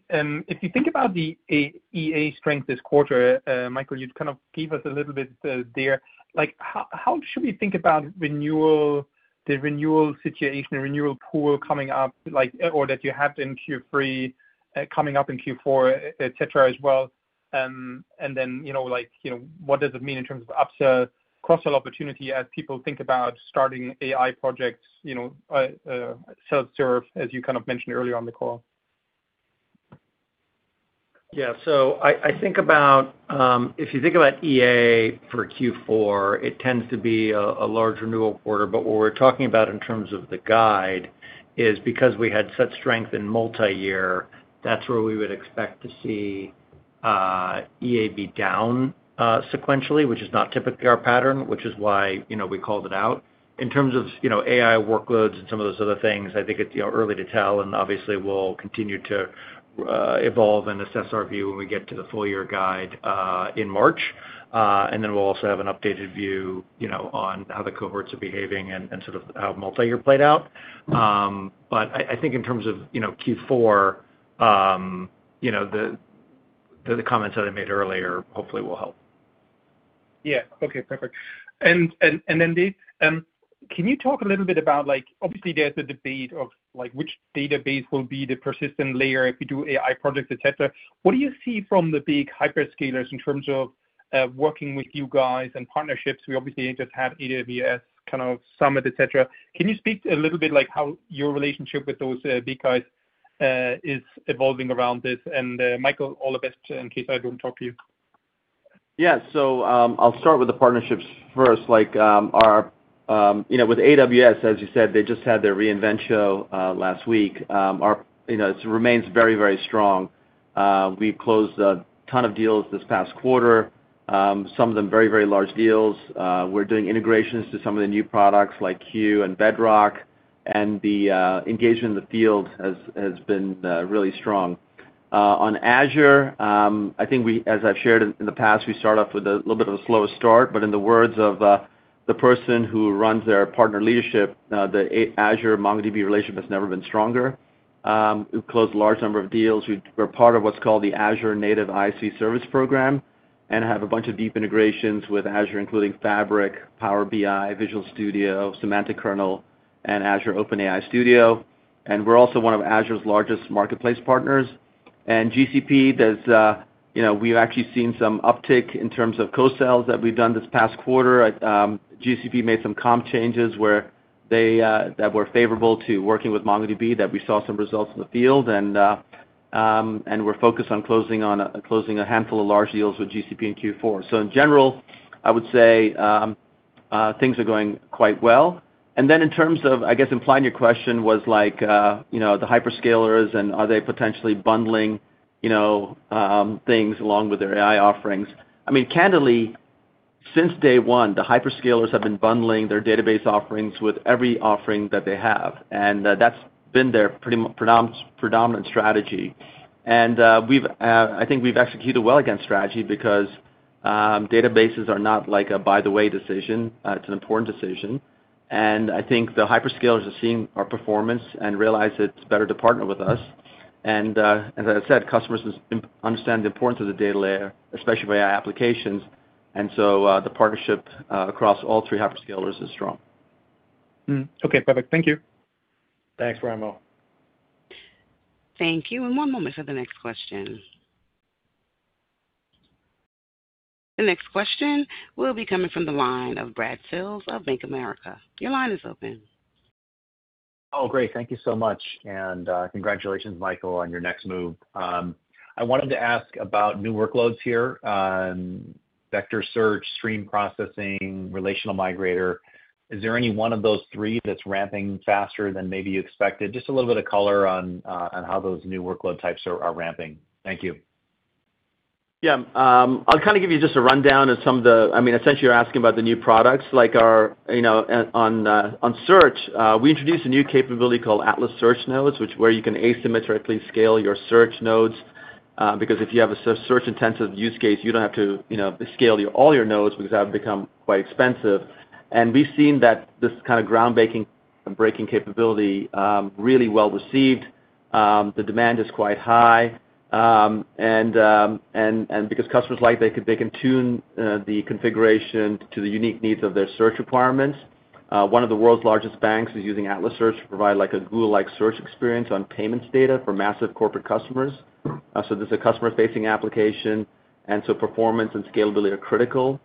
if you think about the EA strength this quarter, Michael, you kind of gave us a little bit there. How should we think about the renewal situation, renewal pool coming up, or that you have in Q3, coming up in Q4, etc., as well? And then what does it mean in terms of upsell, cross-sell opportunity as people think about starting AI projects, self-serve, as you kind of mentioned earlier on the call? Yeah, so I think about if you think about EA for Q4, it tends to be a large renewal quarter. But what we're talking about in terms of the guide is because we had such strength in multi-year, that's where we would expect to see EA be down sequentially, which is not typically our pattern, which is why we called it out. In terms of AI workloads and some of those other things, I think it's early to tell, and obviously, we'll continue to evolve and assess our view when we get to the full-year guide in March, and then we'll also have an updated view on how the cohorts are behaving and sort of how multi-year played out, but I think in terms of Q4, the comments that I made earlier hopefully will help. Yeah. Okay. Perfect. And then Dev, can you talk a little bit about obviously, there's a debate of which database will be the persistent layer if you do AI projects, etc. What do you see from the big hyperscalers in terms of working with you guys and partnerships? We obviously just had AWS kind of summit, etc. Can you speak a little bit how your relationship with those big guys is evolving around this? And Michael, all the best in case I don't talk to you. Yeah. So I'll start with the partnerships first. With AWS, as you said, they just had their re:Invent last week. It remains very, very strong. We closed a ton of deals this past quarter, some of them very, very large deals. We're doing integrations to some of the new products like Q and Bedrock. And the engagement in the field has been really strong. On Azure, I think, as I've shared in the past, we start off with a little bit of a slower start. But in the words of the person who runs their partner leadership, the Azure MongoDB relationship has never been stronger. We've closed a large number of deals. We're part of what's called the Azure Native ISV Service Program and have a bunch of deep integrations with Azure, including Fabric, Power BI, Visual Studio, Semantic Kernel, and Azure OpenAI Studio. And we're also one of Azure's largest marketplace partners. And GCP, we've actually seen some uptick in terms of co-sales that we've done this past quarter. GCP made some comp changes that were favorable to working with MongoDB, that we saw some results in the field. And we're focused on closing a handful of large deals with GCP in Q4. So in general, I would say things are going quite well. And then in terms of, I guess, implying your question was the hyperscalers, and are they potentially bundling things along with their AI offerings? I mean, candidly, since day one, the hyperscalers have been bundling their database offerings with every offering that they have. And that's been their predominant strategy. And I think we've executed well against strategy because databases are not like a by-the-way decision. It's an important decision. And I think the hyperscalers are seeing our performance and realize it's better to partner with us. And as I said, customers understand the importance of the data layer, especially for AI applications. And so the partnership across all three hyperscalers is strong. Okay. Perfect. Thank you. Thanks, Raimo. Thank you. And one moment for the next question. The next question will be coming from the line of Brad Sills of Bank of America. Your line is open. Oh, great. Thank you so much. And congratulations, Michael, on your next move. I wanted to ask about new workloads here: vector search, stream processing, relational migrator. Is there any one of those three that's ramping faster than maybe you expected? Just a little bit of color on how those new workload types are ramping. Thank you. Yeah. I'll kind of give you just a rundown of some of the, I mean, essentially, you're asking about the new products. On search, we introduced a new capability called Atlas Search Nodes, where you can asymmetrically scale your search nodes because if you have a search-intensive use case, you don't have to scale all your nodes because that would become quite expensive. And we've seen that this kind of groundbreaking capability is really well received. The demand is quite high. And because customers like it, they can tune the configuration to the unique needs of their search requirements. One of the world's largest banks is using Atlas Search to provide a Google-like search experience on payments data for massive corporate customers. So this is a customer-facing application. And so performance and scalability are critical.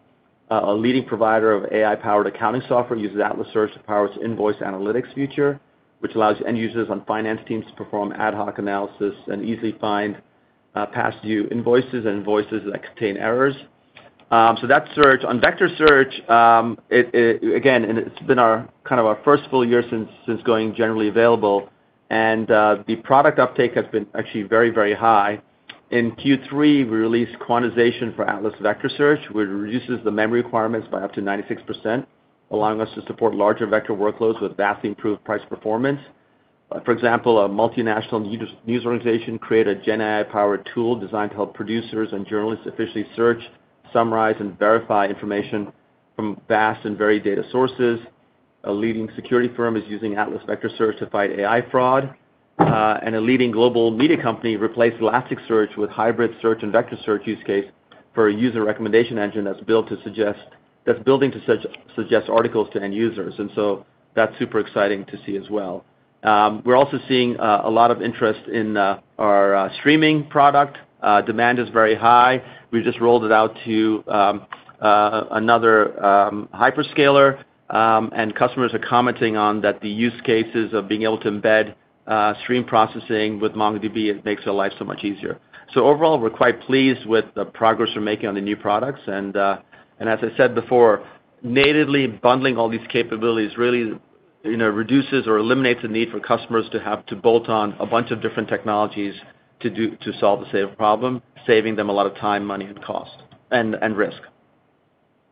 A leading provider of AI-powered accounting software uses Atlas Search to power its invoice analytics feature, which allows end users on finance teams to perform ad hoc analysis and easily find past-due invoices and invoices that contain errors. So, that search on vector search, again, it's been kind of our first full year since going generally available, and the product uptake has been actually very, very high. In Q3, we released quantization for Atlas Vector Search, which reduces the memory requirements by up to 96%, allowing us to support larger vector workloads with vastly improved price performance. For example, a multinational news organization created a GenAI-powered tool designed to help producers and journalists efficiently search, summarize, and verify information from vast and varied data sources. A leading security firm is using Atlas Vector Search to fight AI fraud. A leading global media company replaced Elasticsearch with hybrid search and vector search use case for a user recommendation engine that's building to suggest articles to end users. That's super exciting to see as well. We're also seeing a lot of interest in our streaming product. Demand is very high. We just rolled it out to another hyperscaler, and customers are commenting on that the use cases of being able to embed stream processing with MongoDB makes their life so much easier. Overall, we're quite pleased with the progress we're making on the new products. As I said before, natively bundling all these capabilities really reduces or eliminates the need for customers to have to bolt on a bunch of different technologies to solve the same problem, saving them a lot of time, money, and cost and risk.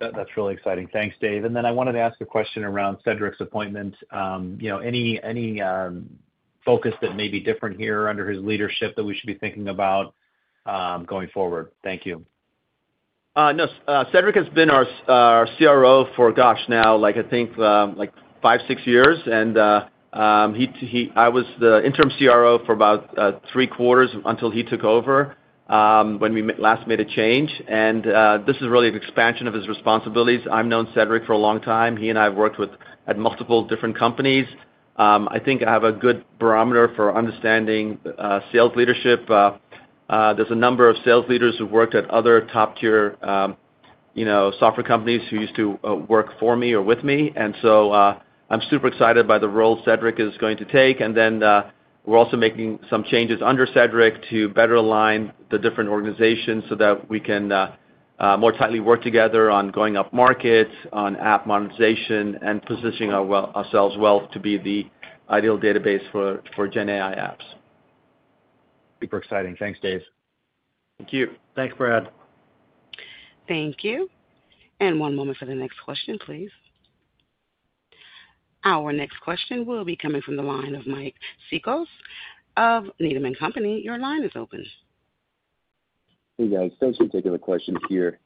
That's really exciting. Thanks, Dev. Then I wanted to ask a question around Cedric's appointment. Any focus that may be different here under his leadership that we should be thinking about going forward? Thank you. Cedric has been our CRO for, gosh, now, I think, five, six years. I was the interim CRO for about three quarters until he took over when we last made a change. This is really an expansion of his responsibilities. I've known Cedric for a long time. He and I have worked at multiple different companies. I think I have a good barometer for understanding sales leadership. There's a number of sales leaders who've worked at other top-tier software companies who used to work for me or with me. So I'm super excited by the role Cedric is going to take. Then we're also making some changes under Cedric to better align the different organizations so that we can more tightly work together on going up markets, on app monetization, and positioning ourselves well to be the ideal database for GenAI apps. Super exciting. Thanks, Dev. Thank you. Thanks, Brad. Thank you. And one moment for the next question, please. Our next question will be coming from the line of Mike Cikos of Needham & Company. Your line is open. Hey, guys. Thanks for taking the question here.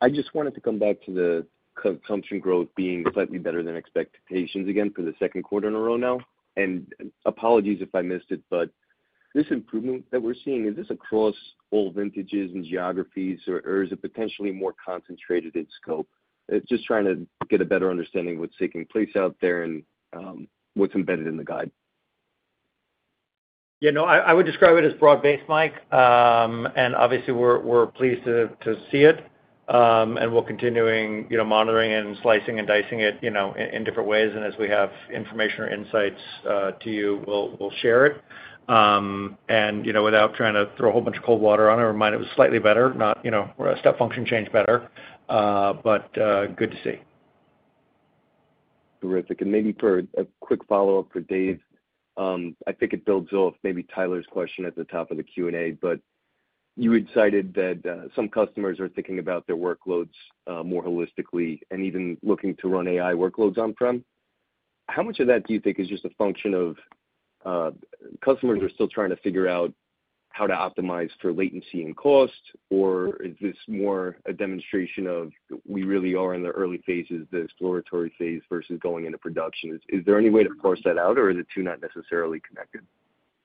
I just wanted to come back to the consumption growth being slightly better than expectations again for the second quarter in a row now, and apologies if I missed it, but this improvement that we're seeing, is this across all vintages and geographies, or is it potentially more concentrated in scope? Just trying to get a better understanding of what's taking place out there and what's embedded in the guide. Yeah. No, I would describe it as broad-based, Mike. And obviously, we're pleased to see it. And we're continuing monitoring and slicing and dicing it in different ways. And as we have information or insights to you, we'll share it. And without trying to throw a whole bunch of cold water on it, I remind you it was slightly better. We're a step function change better, but good to see. Terrific. And maybe for a quick follow-up for Dev, I think it builds off maybe Tyler's question at the top of the Q&A. But you had cited that some customers are thinking about their workloads more holistically and even looking to run AI workloads on-prem. How much of that do you think is just a function of customers are still trying to figure out how to optimize for latency and cost, or is this more a demonstration of we really are in the early phases, the exploratory phase versus going into production? Is there any way to parse that out, or are the two not necessarily connected?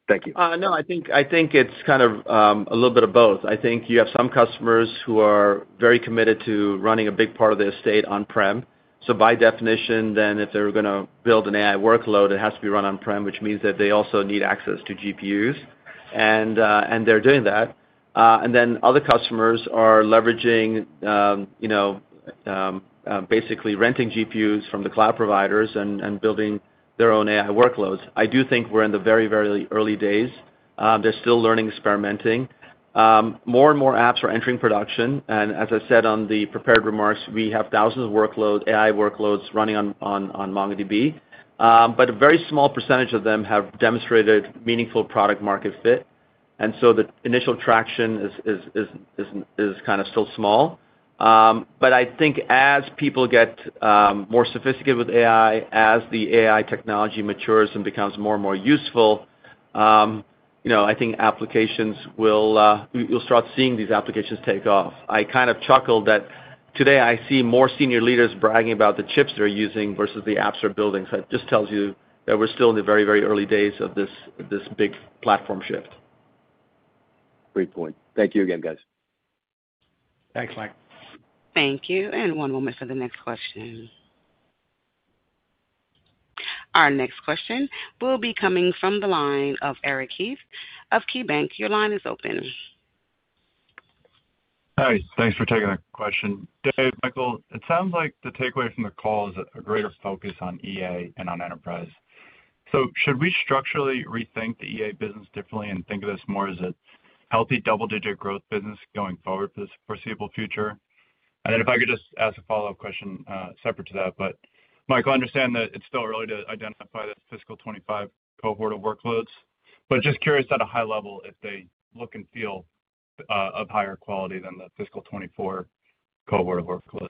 Thank you. No, I think it's kind of a little bit of both. I think you have some customers who are very committed to running a big part of their estate on-prem. So by definition, then if they're going to build an AI workload, it has to be run on-prem, which means that they also need access to GPUs. And they're doing that. And then other customers are leveraging, basically renting GPUs from the cloud providers and building their own AI workloads. I do think we're in the very, very early days. They're still learning, experimenting. More and more apps are entering production. And as I said on the prepared remarks, we have thousands of AI workloads running on MongoDB. But a very small percentage of them have demonstrated meaningful product-market fit. And so the initial traction is kind of still small. But I think as people get more sophisticated with AI, as the AI technology matures and becomes more and more useful, I think you'll start seeing these applications take off. I kind of chuckled that today I see more senior leaders bragging about the chips they're using versus the apps they're building. So it just tells you that we're still in the very, very early days of this big platform shift. Great point. Thank you again, guys. Thanks, Mike. Thank you. And one moment for the next question. Our next question will be coming from the line of Eric Heath of KeyBanc. Your line is open. Hi. Thanks for taking the question. Dev, Michael, it sounds like the takeaway from the call is a greater focus on EA and on enterprise. So should we structurally rethink the EA business differently and think of this more as a healthy double-digit growth business going forward for the foreseeable future? And then if I could just ask a follow-up question separate to that. But Michael, I understand that it's still early to identify the fiscal 2025 cohort of workloads. But just curious at a high level if they look and feel of higher quality than the fiscal 2024 cohort of workloads.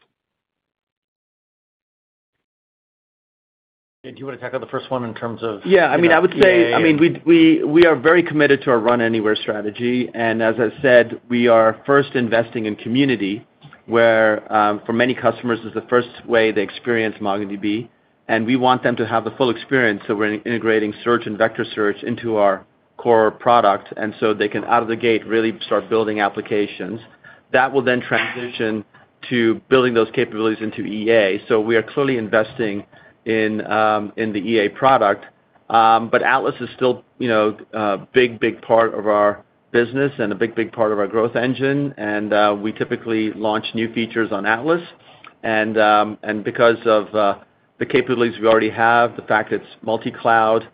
Do you want to tackle the first one in terms of? Yeah. I mean, I would say, I mean, we are very committed to our run-anywhere strategy. And as I said, we are first investing in community where for many customers is the first way they experience MongoDB. And we want them to have the full experience. So we're integrating search and vector search into our core product. And so they can, out of the gate, really start building applications that will then transition to building those capabilities into EA. So we are clearly investing in the EA product. But Atlas is still a big, big part of our business and a big, big part of our growth engine. And we typically launch new features on Atlas. And because of the capabilities we already have, the fact that it's multi-cloud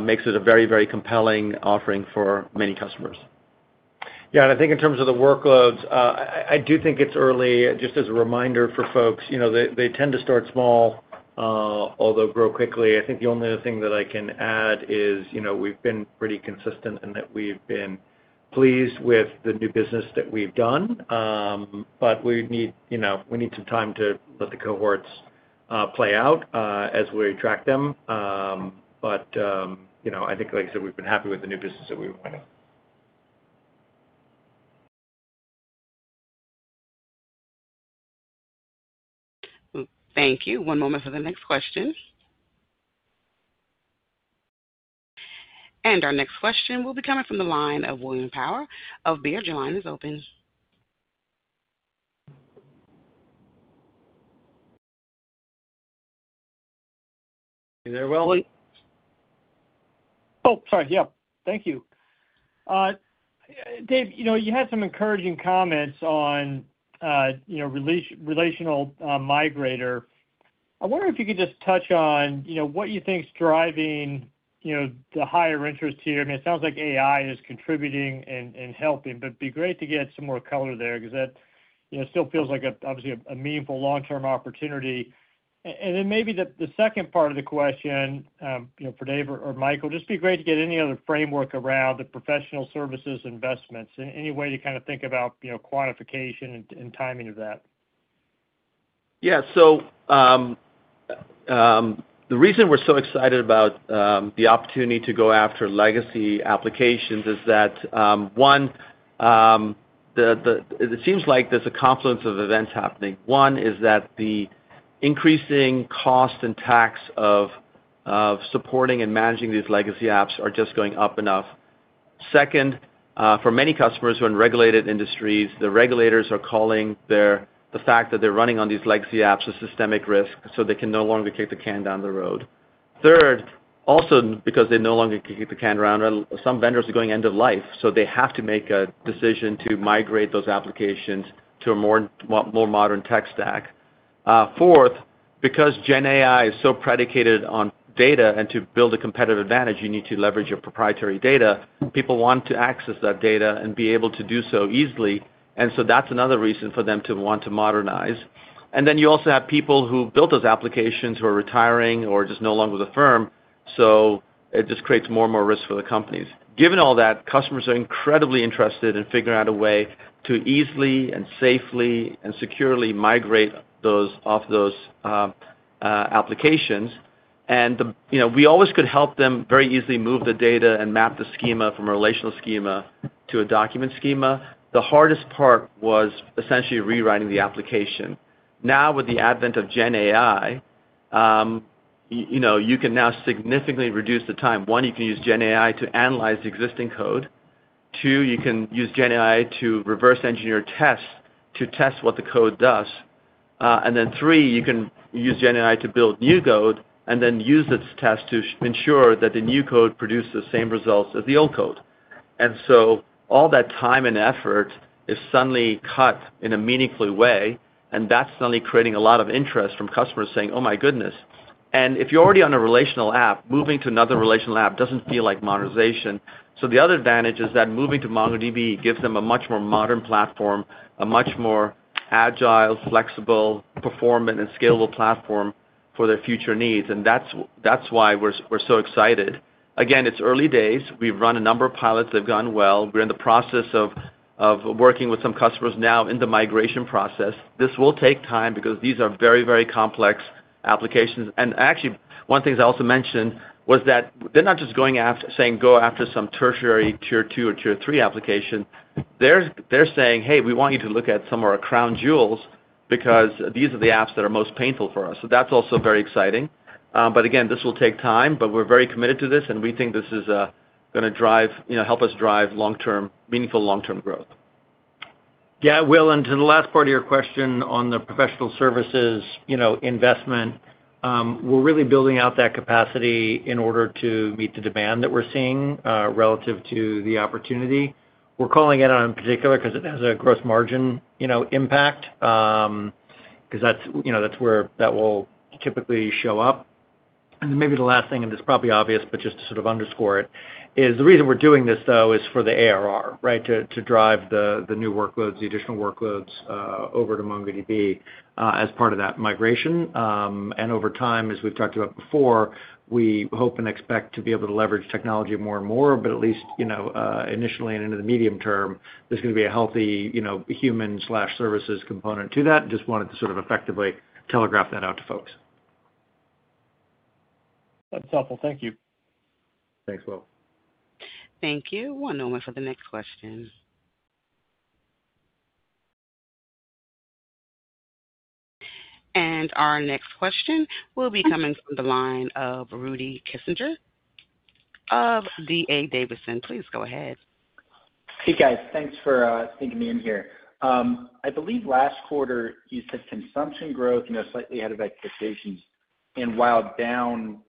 makes it a very, very compelling offering for many customers. Yeah. And I think in terms of the workloads, I do think it's early. Just as a reminder for folks, they tend to start small, although grow quickly. I think the only other thing that I can add is we've been pretty consistent in that we've been pleased with the new business that we've done. But we need some time to let the cohorts play out as we track them. But I think, like I said, we've been happy with the new business that we've been running. Thank you. One moment for the next question. Our next question will be coming from the line of William Power of Baird. Your line is open. Hey there, William. Oh, sorry. Yeah. Thank you. Dev, you had some encouraging comments on relational migrator. I wonder if you could just touch on what you think's driving the higher interest here. I mean, it sounds like AI is contributing and helping, but it'd be great to get some more color there because that still feels like, obviously, a meaningful long-term opportunity. And then maybe the second part of the question for Dev or Michael, just be great to get any other framework around the professional services investments, any way to kind of think about quantification and timing of that. Yeah. So the reason we're so excited about the opportunity to go after legacy applications is that, one, it seems like there's a confluence of events happening. One is that the increasing cost and tax of supporting and managing these legacy apps are just going up enough. Second, for many customers who are in regulated industries, the regulators are calling the fact that they're running on these legacy apps a systemic risk, so they can no longer kick the can down the road. Third, also because they no longer can kick the can around, some vendors are going end of life. So they have to make a decision to migrate those applications to a more modern tech stack. Fourth, because GenAI is so predicated on data, and to build a competitive advantage, you need to leverage your proprietary data. People want to access that data and be able to do so easily. And so that's another reason for them to want to modernize. And then you also have people who built those applications who are retiring or just no longer with the firm. So it just creates more and more risk for the companies. Given all that, customers are incredibly interested in figuring out a way to easily and safely and securely migrate off those applications. And we always could help them very easily move the data and map the schema from a relational schema to a document schema. The hardest part was essentially rewriting the application. Now, with the advent of GenAI, you can now significantly reduce the time. One, you can use GenAI to analyze the existing code. Two, you can use GenAI to reverse-engineer tests to test what the code does. And then three, you can use GenAI to build new code and then use its tests to ensure that the new code produces the same results as the old code. And so all that time and effort is suddenly cut in a meaningful way. And that's suddenly creating a lot of interest from customers saying, "Oh my goodness." And if you're already on a relational app, moving to another relational app doesn't feel like modernization. So the other advantage is that moving to MongoDB gives them a much more modern platform, a much more agile, flexible, performant, and scalable platform for their future needs. And that's why we're so excited. Again, it's early days. We've run a number of pilots. They've gone well. We're in the process of working with some customers now in the migration process. This will take time because these are very, very complex applications. And actually, one thing I also mentioned was that they're not just going after saying, "Go after some tertiary tier two or tier three application." They're saying, "Hey, we want you to look at some of our crown jewels because these are the apps that are most painful for us." So that's also very exciting. But again, this will take time, but we're very committed to this. And we think this is going to help us drive meaningful long-term growth. Yeah, Will, and to the last part of your question on the professional services investment, we're really building out that capacity in order to meet the demand that we're seeing relative to the opportunity. We're calling it out in particular because it has a gross margin impact because that's where that will typically show up. And then maybe the last thing, and it's probably obvious, but just to sort of underscore it, is the reason we're doing this, though, is for the ARR, right, to drive the new workloads, the additional workloads over to MongoDB as part of that migration. And over time, as we've talked about before, we hope and expect to be able to leverage technology more and more. But at least initially and into the medium term, there's going to be a healthy human/services component to that. Just wanted to sort of effectively telegraph that out to folks. That's helpful. Thank you. Thanks, Will. Thank you. One moment for the next question, and our next question will be coming from the line of Rudy Kessinger of D.A. Davidson. Please go ahead. Hey, guys. Thanks for sneaking me in here. I believe last quarter, you said consumption growth slightly ahead of expectations. And while down,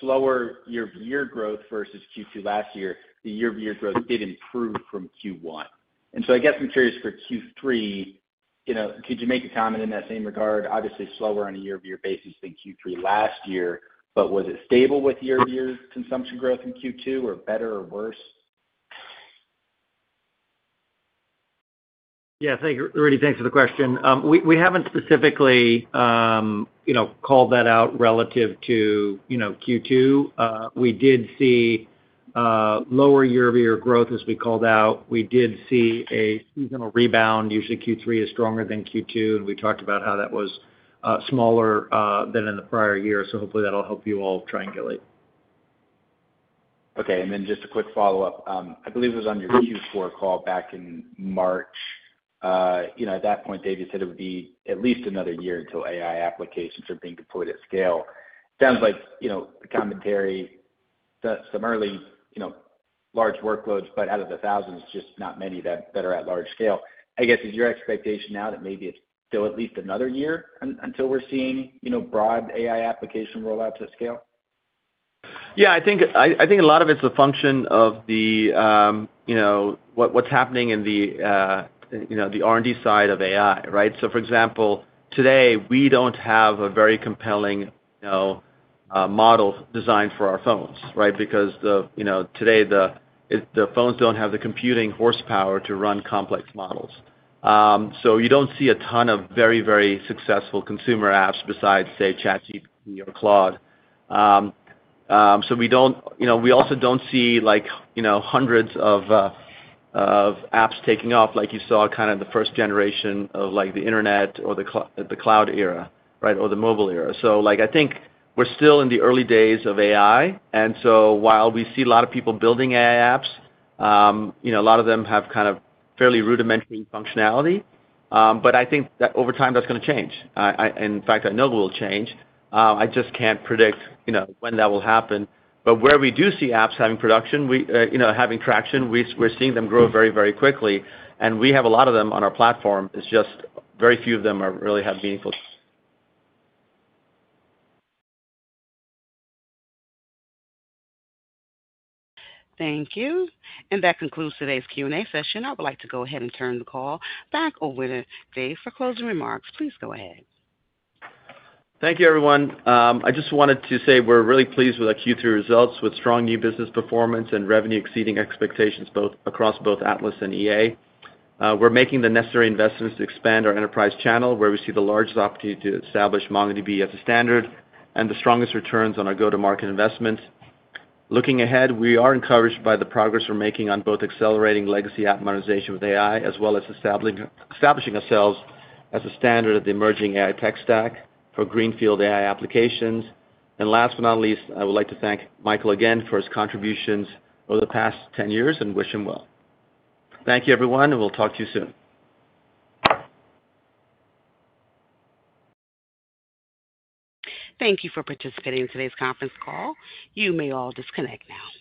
slower year-to-year growth versus Q2 last year, the year-to-year growth did improve from Q1. And so I guess I'm curious for Q3, could you make a comment in that same regard? Obviously, slower on a year-to-year basis than Q3 last year, but was it stable with year-to-year consumption growth in Q2 or better or worse? Yeah. Rudy, thanks for the question. We haven't specifically called that out relative to Q2. We did see lower year-to-year growth as we called out. We did see a seasonal rebound. Usually, Q3 is stronger than Q2 and we talked about how that was smaller than in the prior year, so hopefully, that'll help you all triangulate. Okay. And then just a quick follow-up. I believe it was on your Q4 call back in March. At that point, Dev had said it would be at least another year until AI applications are being deployed at scale. Sounds like the commentary, some early large workloads, but out of the thousands, just not many that are at large scale. I guess, is your expectation now that maybe it's still at least another year until we're seeing broad AI application rollouts at scale? Yeah. I think a lot of it's a function of what's happening in the R&D side of AI, right? So for example, today, we don't have a very compelling model designed for our phones, right? Because today, the phones don't have the computing horsepower to run complex models. So you don't see a ton of very, very successful consumer apps besides, say, ChatGPT or Claude. So we also don't see hundreds of apps taking off like you saw kind of the first generation of the internet or the cloud era, right, or the mobile era. So I think we're still in the early days of AI. And so while we see a lot of people building AI apps, a lot of them have kind of fairly rudimentary functionality. But I think that over time, that's going to change. In fact, I know it will change. I just can't predict when that will happen. But where we do see apps having production, having traction, we're seeing them grow very, very quickly. And we have a lot of them on our platform. It's just very few of them really have meaningful. Thank you. And that concludes today's Q&A session. I would like to go ahead and turn the call back over to Dev for closing remarks. Please go ahead. Thank you, everyone. I just wanted to say we're really pleased with our Q3 results with strong new business performance and revenue exceeding expectations across both Atlas and EA. We're making the necessary investments to expand our enterprise channel where we see the largest opportunity to establish MongoDB as a standard and the strongest returns on our go-to-market investments. Looking ahead, we are encouraged by the progress we're making on both accelerating legacy app modernization with AI as well as establishing ourselves as a standard of the emerging AI tech stack for greenfield AI applications. And last but not least, I would like to thank Michael again for his contributions over the past 10 years and wish him well. Thank you, everyone. And we'll talk to you soon. Thank you for participating in today's conference call. You may all disconnect now.